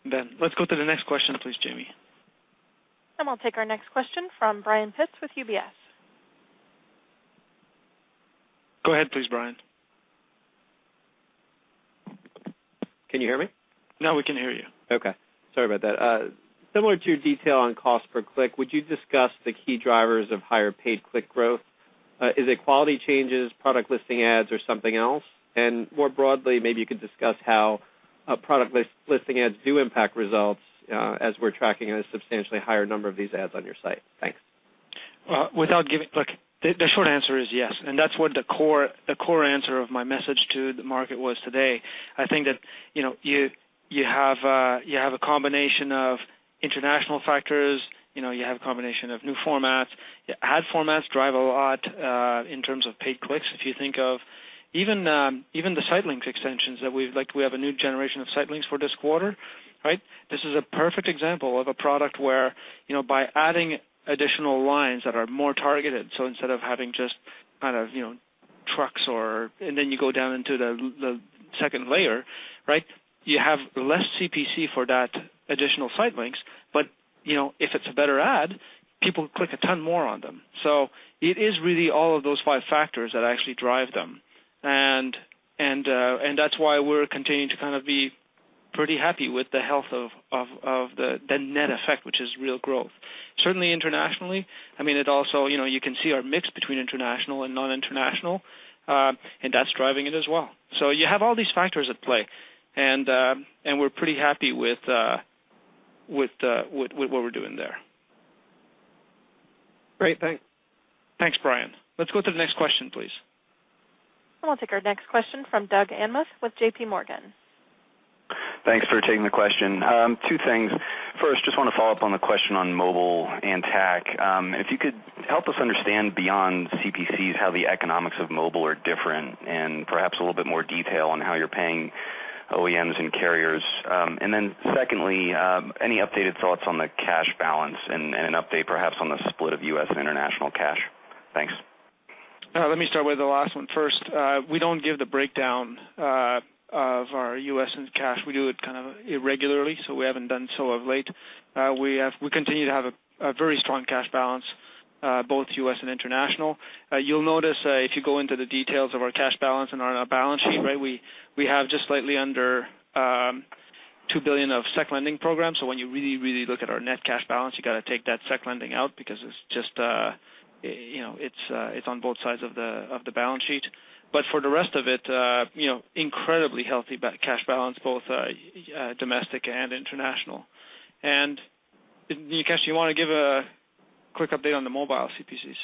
Ben. Let's go to the next question, please, Jamie. We will take our next question from Brian Pitz with UBS. Go ahead, please, Brian. Can you hear me? Now we can hear you. Sorry about that. Similar to your detail on cost per click, would you discuss the key drivers of higher paid click growth? Is it quality changes, product listing ads, or something else? More broadly, maybe you could discuss how product listing ads do impact results as we're tracking a substantially higher number of these ads on your site. Thanks. Without giving, look, the short answer is yes. That is what the core answer of my message to the market was today. I think that you have a combination of international factors. You have a combination of new formats. Ad formats drive a lot in terms of paid clicks. If you think of even the site links extensions that we've, like, we have a new generation of site links for this quarter, right? This is a perfect example of a product where, by adding additional lines that are more targeted, instead of having just kind of trucks, and then you go down into the second layer, you have less CPC for that additional site links. If it's a better ad, people click a ton more on them. It is really all of those five factors that actually drive them. That is why we're continuing to kind of be pretty happy with the health of the net effect, which is real growth. Certainly, internationally, you can see our mix between international and non-international, and that's driving it as well. You have all these factors at play, and we're pretty happy with what we're doing there. Great, thanks. Thanks, Brian. Let's go to the next question, please. We will take our next question from Doug Anmuth with JPMorgan. Thanks for taking the question. Two things. First, I just want to follow up on the question on mobile and tech. If you could help us understand beyond CPCs how the economics of mobile are different, and perhaps a little bit more detail on how you're paying OEMs and carriers. Secondly, any updated thoughts on the cash balance and an update perhaps on the split of U.S. and international cash? Thanks. Let me start with the last one first. We don't give the breakdown of our U.S. and cash. We do it kind of irregularly, so we haven't done so of late. We continue to have a very strong cash balance, both U.S. and international. You'll notice if you go into the details of our cash balance and our balance sheet, right, we have just slightly under $2 billion of SEC lending programs. When you really, really look at our net cash balance, you've got to take that SEC lending out because it's on both sides of the balance sheet. For the rest of it, incredibly healthy cash balance, both domestic and international. Nikesh, do you want to give a quick update on the mobile CPCs,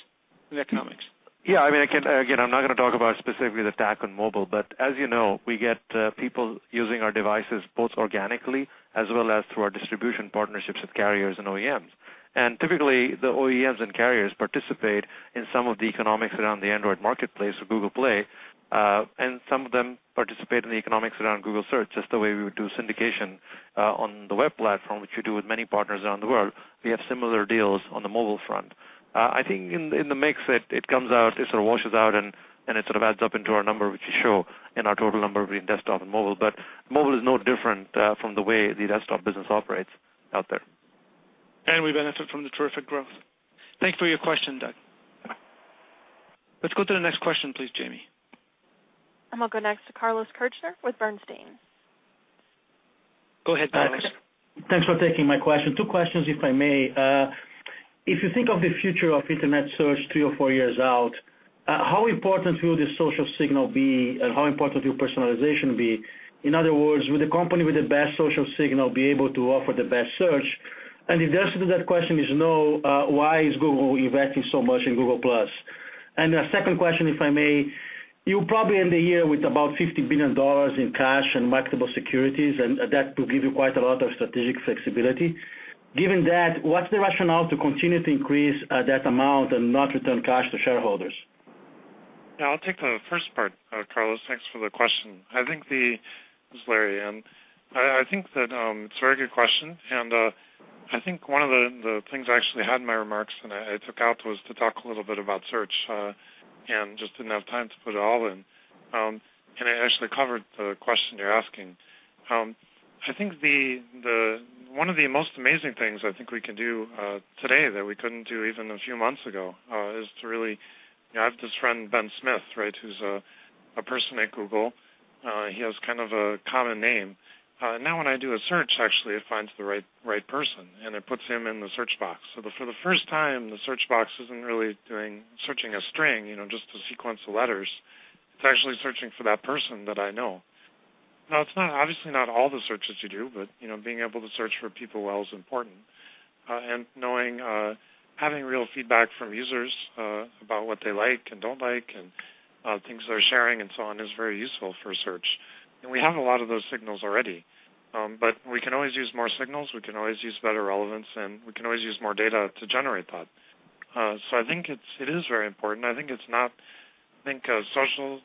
the economics? Yeah, I mean, again, I'm not going to talk about specifically the tech and mobile. As you know, we get people using our devices both organically, as well as through our distribution partnerships with carriers and OEMs. Typically, the OEMs and carriers participate in some of the economics around the Android Marketplace or Google Play, and some of them participate in the economics around Google Search, just the way we would do syndication on the web platform, which we do with many partners around the world. We have similar deals on the mobile front. I think in the mix, it comes out, it sort of washes out, and it sort of adds up into our number, which we show in our total number between desktop and mobile. Mobile is no different from the way the desktop business operates out there. We benefit from the terrific growth. Thanks for your question, Doug. Let's go to the next question, please, Jamie. We will go next to Carlos Kirjner with Bernstein. Go ahead, Carlos. Thanks for taking my question. Two questions, if I may. If you think of the future of internet search three or four years out, how important will the social signal be, and how important will personalization be? In other words, will the company with the best social signal be able to offer the best search? The answer to that question is no. Why is Google investing so much in Google+? A second question, if I may. You'll probably end the year with about $50 billion in cash and marketable securities, and that will give you quite a lot of strategic flexibility. Given that, what's the rationale to continue to increase that amount and not return cash to shareholders? Yeah, I'll take the first part, Carlos. Thanks for the question. This is Larry again. I think that it's a very good question. One of the things I actually had in my remarks and I took out was to talk a little bit about search and just didn't have time to put it all in. It actually covered the question you're asking. One of the most amazing things we can do today that we couldn't do even a few months ago is to really—I have this friend, Ben Smith, who's a person at Google. He has kind of a common name. Now, when I do a search, it finds the right person, and it puts him in the search box. For the first time, the search box isn't really searching a string, just a sequence of letters. It's actually searching for that person that I know. It's obviously not all the searches you do, but being able to search for people well is important. Having real feedback from users about what they like and don't like and things they're sharing and so on is very useful for search. We have a lot of those signals already. We can always use more signals. We can always use better relevance, and we can always use more data to generate that. I think it is very important. Social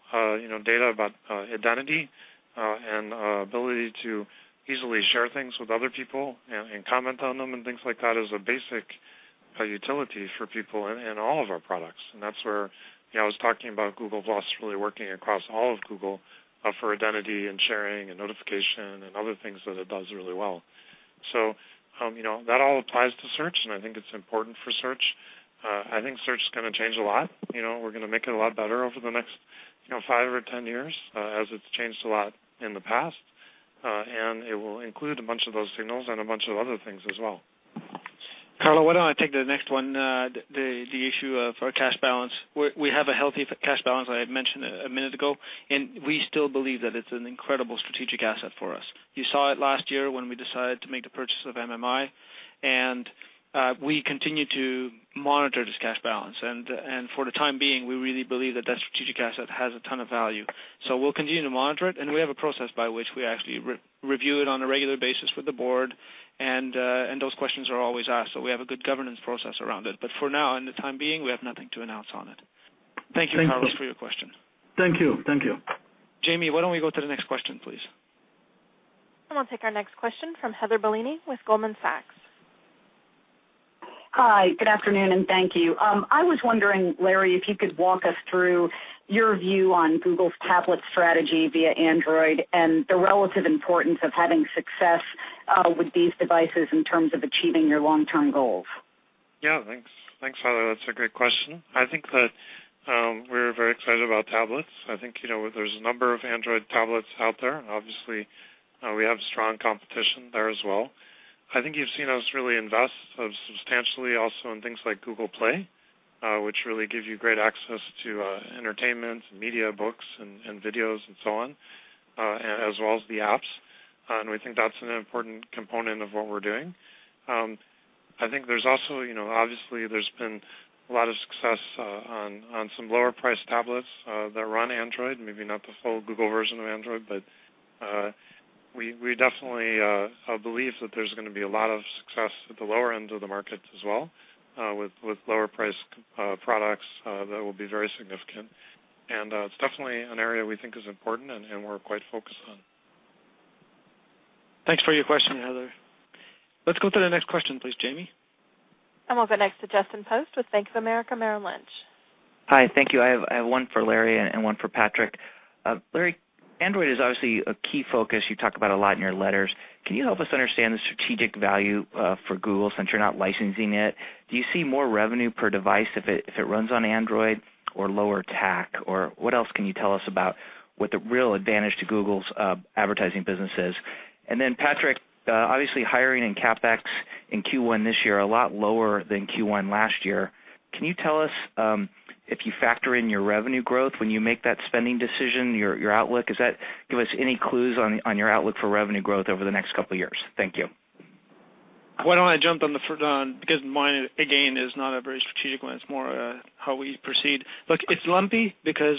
data about identity and ability to easily share things with other people and comment on them and things like that is a basic utility for people in all of our products. That's where I was talking about Google+ really working across all of Google for identity and sharing and notification and other things that it does really well. That all applies to search, and I think it's important for search. I think search is going to change a lot. We're going to make it a lot better over the next five or 10 years, as it's changed a lot in the past. It will include a bunch of those signals and a bunch of other things as well. Carlos, why don't I take the next one? The issue of our cash balance. We have a healthy cash balance, as I had mentioned a minute ago, and we still believe that it's an incredible strategic asset for us. You saw it last year when we decided to make the purchase of MMI. We continue to monitor this cash balance. For the time being, we really believe that that strategic asset has a ton of value. We will continue to monitor it, and we have a process by which we actually review it on a regular basis with the board. Those questions are always asked, so we have a good governance process around it. For now, in the time being, we have nothing to announce on it. Thank you, Carlos, for your question. Thank you. Thank you. Jamie, why don't we go to the next question, please? We will take our next question from Heather Bellini with Goldman Sachs. Hi, good afternoon, and thank you. I was wondering, Larry, if you could walk us through your view on Google's tablet strategy via Android and the relative importance of having success with these devices in terms of achieving your long-term goals. Yeah, thanks, Heather. That's a great question. I think that we're very excited about tablets. I think there's a number of Android tablets out there. Obviously, we have strong competition there as well. I think you've seen us really invest substantially also in things like Google Play, which really gives you great access to entertainment, media, books, and videos, and so on, as well as the apps. We think that's an important component of what we're doing. I think there's also, obviously, there's been a lot of success on some lower-priced tablets that run Android, maybe not the full Google version of Android. We definitely believe that there's going to be a lot of success at the lower end of the market as well, with lower-priced products that will be very significant. It's definitely an area we think is important and we're quite focused on. Thanks for your question, Heather. Let's go to the next question, please, Jamie. We will go next to Justin Post with Bank of America Merrill Lynch. Hi, thank you. I have one for Larry and one for Patrick. Larry, Android is obviously a key focus you talk about a lot in your letters. Can you help us understand the strategic value for Google since you're not licensing it? Do you see more revenue per device if it runs on Android or lower tech? What else can you tell us about what the real advantage to Google's advertising business is? Patrick, obviously, hiring and CapEx in Q1 this year are a lot lower than Q1 last year. Can you tell us if you factor in your revenue growth when you make that spending decision, your outlook? Does that give us any clues on your outlook for revenue growth over the next couple of years? Thank you. Why don't I jump on the first one? Because mine, again, is not a very strategic one. It's more how we proceed. Look, it's lumpy because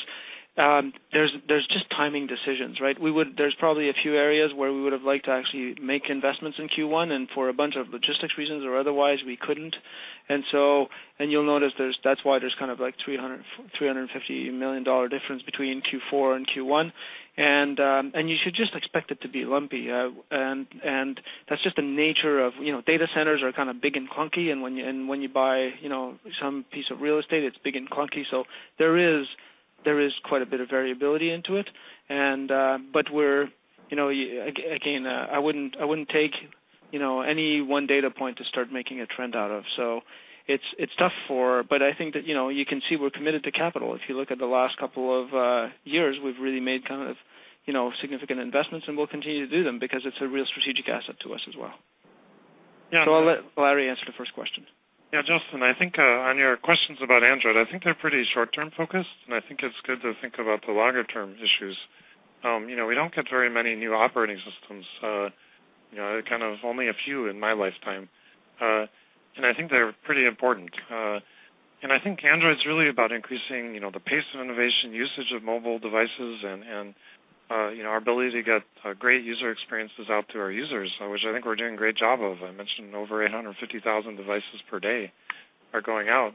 there's just timing decisions, right? There's probably a few areas where we would have liked to actually make investments in Q1, and for a bunch of logistics reasons or otherwise, we couldn't. You'll notice that's why there's kind of like a $350 million difference between Q4 and Q1. You should just expect it to be lumpy. That's just the nature of data centers; they are kind of big and clunky. When you buy some piece of real estate, it's big and clunky. There is quite a bit of variability to it. I wouldn't take any one data point to start making a trend out of. It's tough, but I think that you can see we're committed to capital. If you look at the last couple of years, we've really made kind of significant investments, and we'll continue to do them because it's a real strategic asset to us as well. I'll let Larry answer the first question. Yeah, Justin, I think on your questions about Android, I think they're pretty short-term focused. I think it's good to think about the longer-term issues. We don't get very many new operating systems, kind of only a few in my lifetime. I think they're pretty important. I think Android's really about increasing the pace of innovation, usage of mobile devices, and our ability to get great user experiences out to our users, which I think we're doing a great job of. I mentioned over 850,000 devices per day are going out.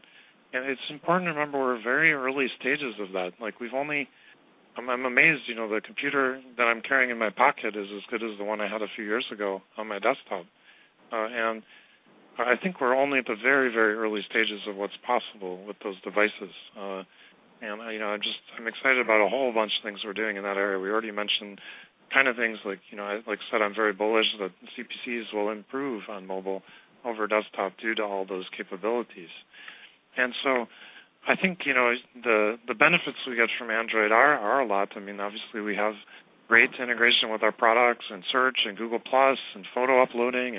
It's important to remember we're very early stages of that. I'm amazed the computer that I'm carrying in my pocket is as good as the one I had a few years ago on my desktop. I think we're only at the very, very early stages of what's possible with those devices. I'm excited about a whole bunch of things we're doing in that area. We already mentioned kind of things like, like I said, I'm very bullish that CPCs will improve on mobile over desktop due to all those capabilities. I think the benefits we get from Android are a lot. I mean, obviously, we have great integration with our products and search and Google+ and photo uploading.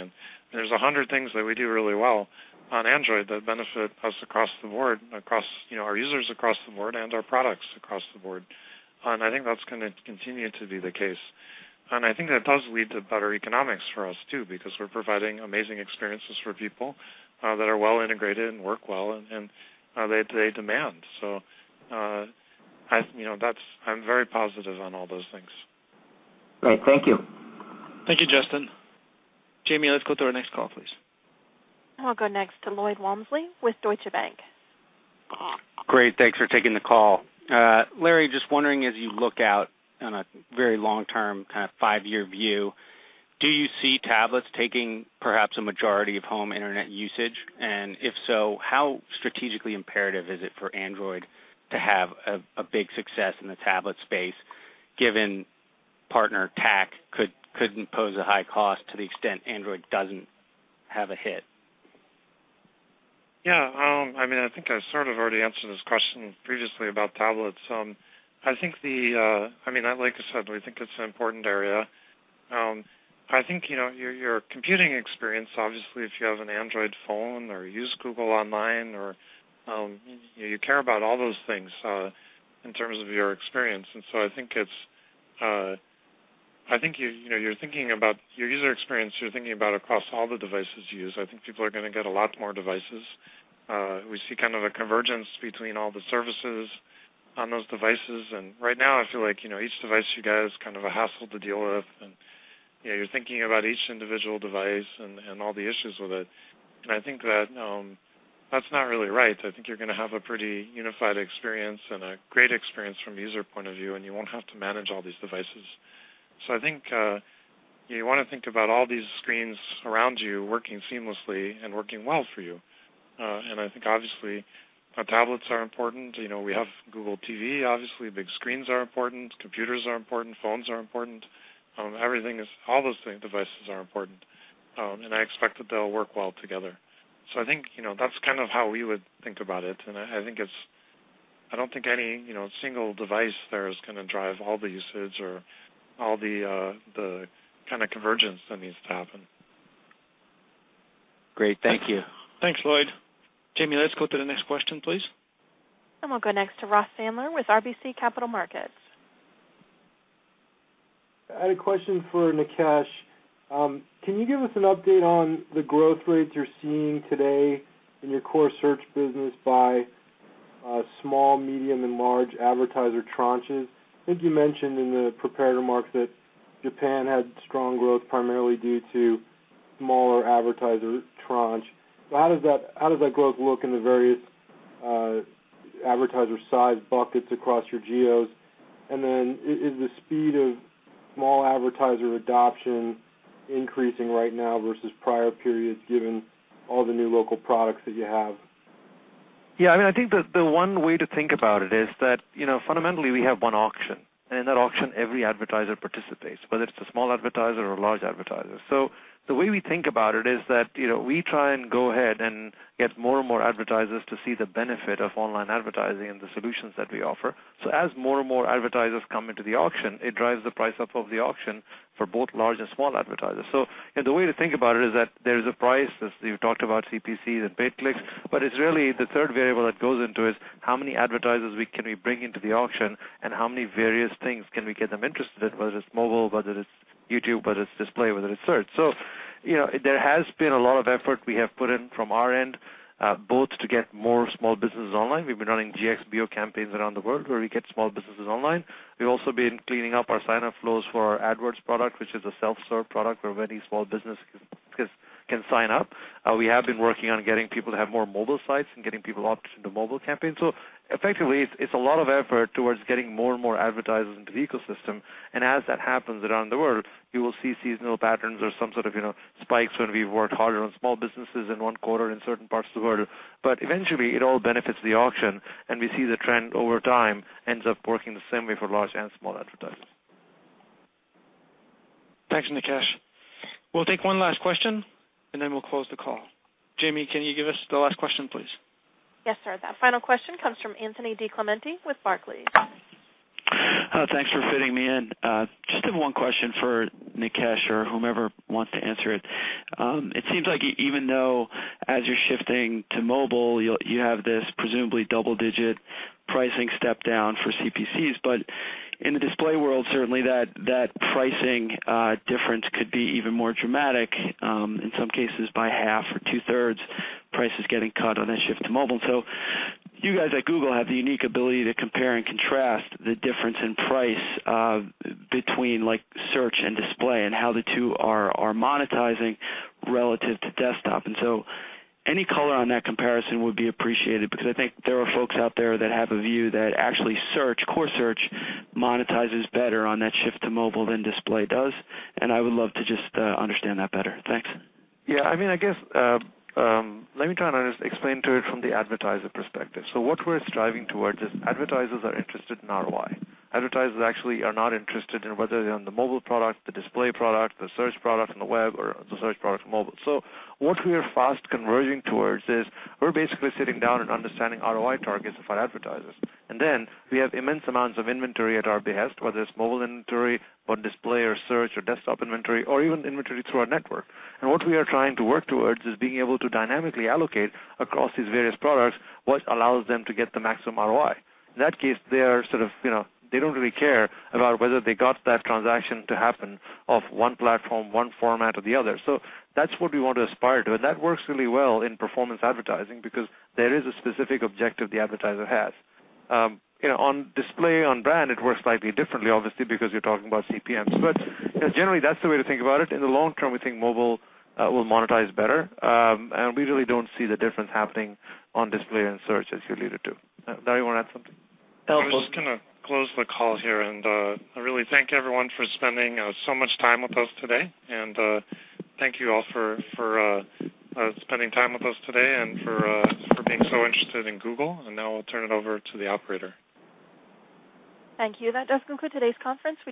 There's 100 things that we do really well on Android that benefit us across the board, our users across the board, and our products across the board. I think that's going to continue to be the case. I think that does lead to better economics for us, too, because we're providing amazing experiences for people that are well integrated and work well, and they demand. I'm very positive on all those things. Great, thank you. Thank you, Justin. Jamie, let's go to our next call, please. We will go next to Lloyd Walmsley with Deutsche Bank. Great, thanks for taking the call. Larry, just wondering, as you look out on a very long-term, kind of five-year view, do you see tablets taking perhaps a majority of home internet usage? If so, how strategically imperative is it for Android to have a big success in the tablet space, given partner tech could impose a high cost to the extent Android doesn't have a hit? I think I sort of already answered this question previously about tablets. I think, like you said, it's an important area. Your computing experience, obviously, if you have an Android phone or use Google Online or you care about all those things in terms of your experience. I think you're thinking about your user experience, you're thinking about across all the devices you use. I think people are going to get a lot more devices. We see kind of a convergence between all the services on those devices. Right now, I feel like each device you get is kind of a hassle to deal with. You're thinking about each individual device and all the issues with it. I think that's not really right. You're going to have a pretty unified experience and a great experience from a user point of view, and you won't have to manage all these devices. I think you want to think about all these screens around you working seamlessly and working well for you. Obviously, tablets are important. We have Google TV, obviously. Big screens are important. Computers are important. Phones are important. Everything is, all those devices are important. I expect that they'll work well together. That's kind of how we would think about it. I don't think any single device there is going to drive all the usage or all the kind of convergence that needs to happen. Great, thank you. Thanks, Lloyd. Jamie, let's go to the next question, please. We will go next to Ross Sandler with RBC Capital Markets. I had a question for Nikesh. Can you give us an update on the growth rates you're seeing today in your core search business by small, medium, and large advertiser tranches? I think you mentioned in the prepared remarks that Japan had strong growth primarily due to smaller advertiser tranches. How does that growth look in the various advertiser size buckets across your geos? Is the speed of small advertiser adoption increasing right now versus prior periods, given all the new local products that you have? Yeah, I mean, I think the one way to think about it is that fundamentally, we have one auction. In that auction, every advertiser participates, whether it's a small advertiser or a large advertiser. The way we think about it is that we try and go ahead and get more and more advertisers to see the benefit of online advertising and the solutions that we offer. As more and more advertisers come into the auction, it drives the price up of the auction for both large and small advertisers. The way to think about it is that there's a price, as you talked about, CPC, the paid clicks. It's really the third variable that goes into it, which is how many advertisers can we bring into the auction and how many various things can we get them interested in, whether it's mobile, whether it's YouTube, whether it's display, whether it's search. There has been a lot of effort we have put in from our end, both to get more small businesses online. We've been running GYBO campaigns around the world where we get small businesses online. We've also been cleaning up our sign-up flows for our AdWords product, which is a self-serve product where many small businesses can sign up. We have been working on getting people to have more mobile sites and getting people opted into mobile campaigns. Effectively, it's a lot of effort towards getting more and more advertisers into the ecosystem. As that happens around the world, you will see seasonal patterns or some sort of spikes when we've worked harder on small businesses in one quarter in certain parts of the world. Eventually, it all benefits the auction, and we see the trend over time ends up working the same way for large and small advertising. Thanks, Nikesh. We'll take one last question, and then we'll close the call. Jamie, can you give us the last question, please? Yes, sir. That final question comes from Anthony DiClemente with Barclays. Thanks for fitting me in. Just have one question for Nikesh or whomever wants to answer it. It seems like even though as you're shifting to mobile, you have this presumably double-digit pricing step down for CPCs. In the display world, certainly that pricing difference could be even more dramatic, in some cases by 1/2 or 2/3 prices getting cut on that shift to mobile. You at Google have the unique ability to compare and contrast the difference in price between search and display and how the two are monetizing relative to desktop. Any color on that comparison would be appreciated because I think there are folks out there that have a view that actually search, core search, monetizes better on that shift to mobile than display does. I would love to just understand that better. Thanks. Yeah, I mean, I guess let me try and explain it from the advertiser perspective. What we're striving towards is advertisers are interested in ROI. Advertisers actually are not interested in whether they're on the mobile product, the display product, the search product on the web, or the search product on mobile. What we are fast converging towards is we're basically sitting down and understanding ROI targets of our advertisers. We have immense amounts of inventory at our behest, whether it's mobile inventory on display or search or desktop inventory or even inventory through our network. What we are trying to work towards is being able to dynamically allocate across these various products, which allows them to get the maximum ROI. In that case, they don't really care about whether they got that transaction to happen off one platform, one format, or the other. That's what we want to aspire to. That works really well in performance advertising because there is a specific objective the advertiser has. On display, on brand, it works slightly differently, obviously, because you're talking about CPMs. Generally, that's the way to think about it. In the long term, we think mobile will monetize better. We really don't see the difference happening on display and search, as you alluded to. Larry, you want to add something? I was just going to close the call here. I really thank everyone for spending so much time with us today. Thank you all for spending time with us today and for being so interested in Google. Now I'll turn it over to the operator. Thank you. That does conclude today's conference.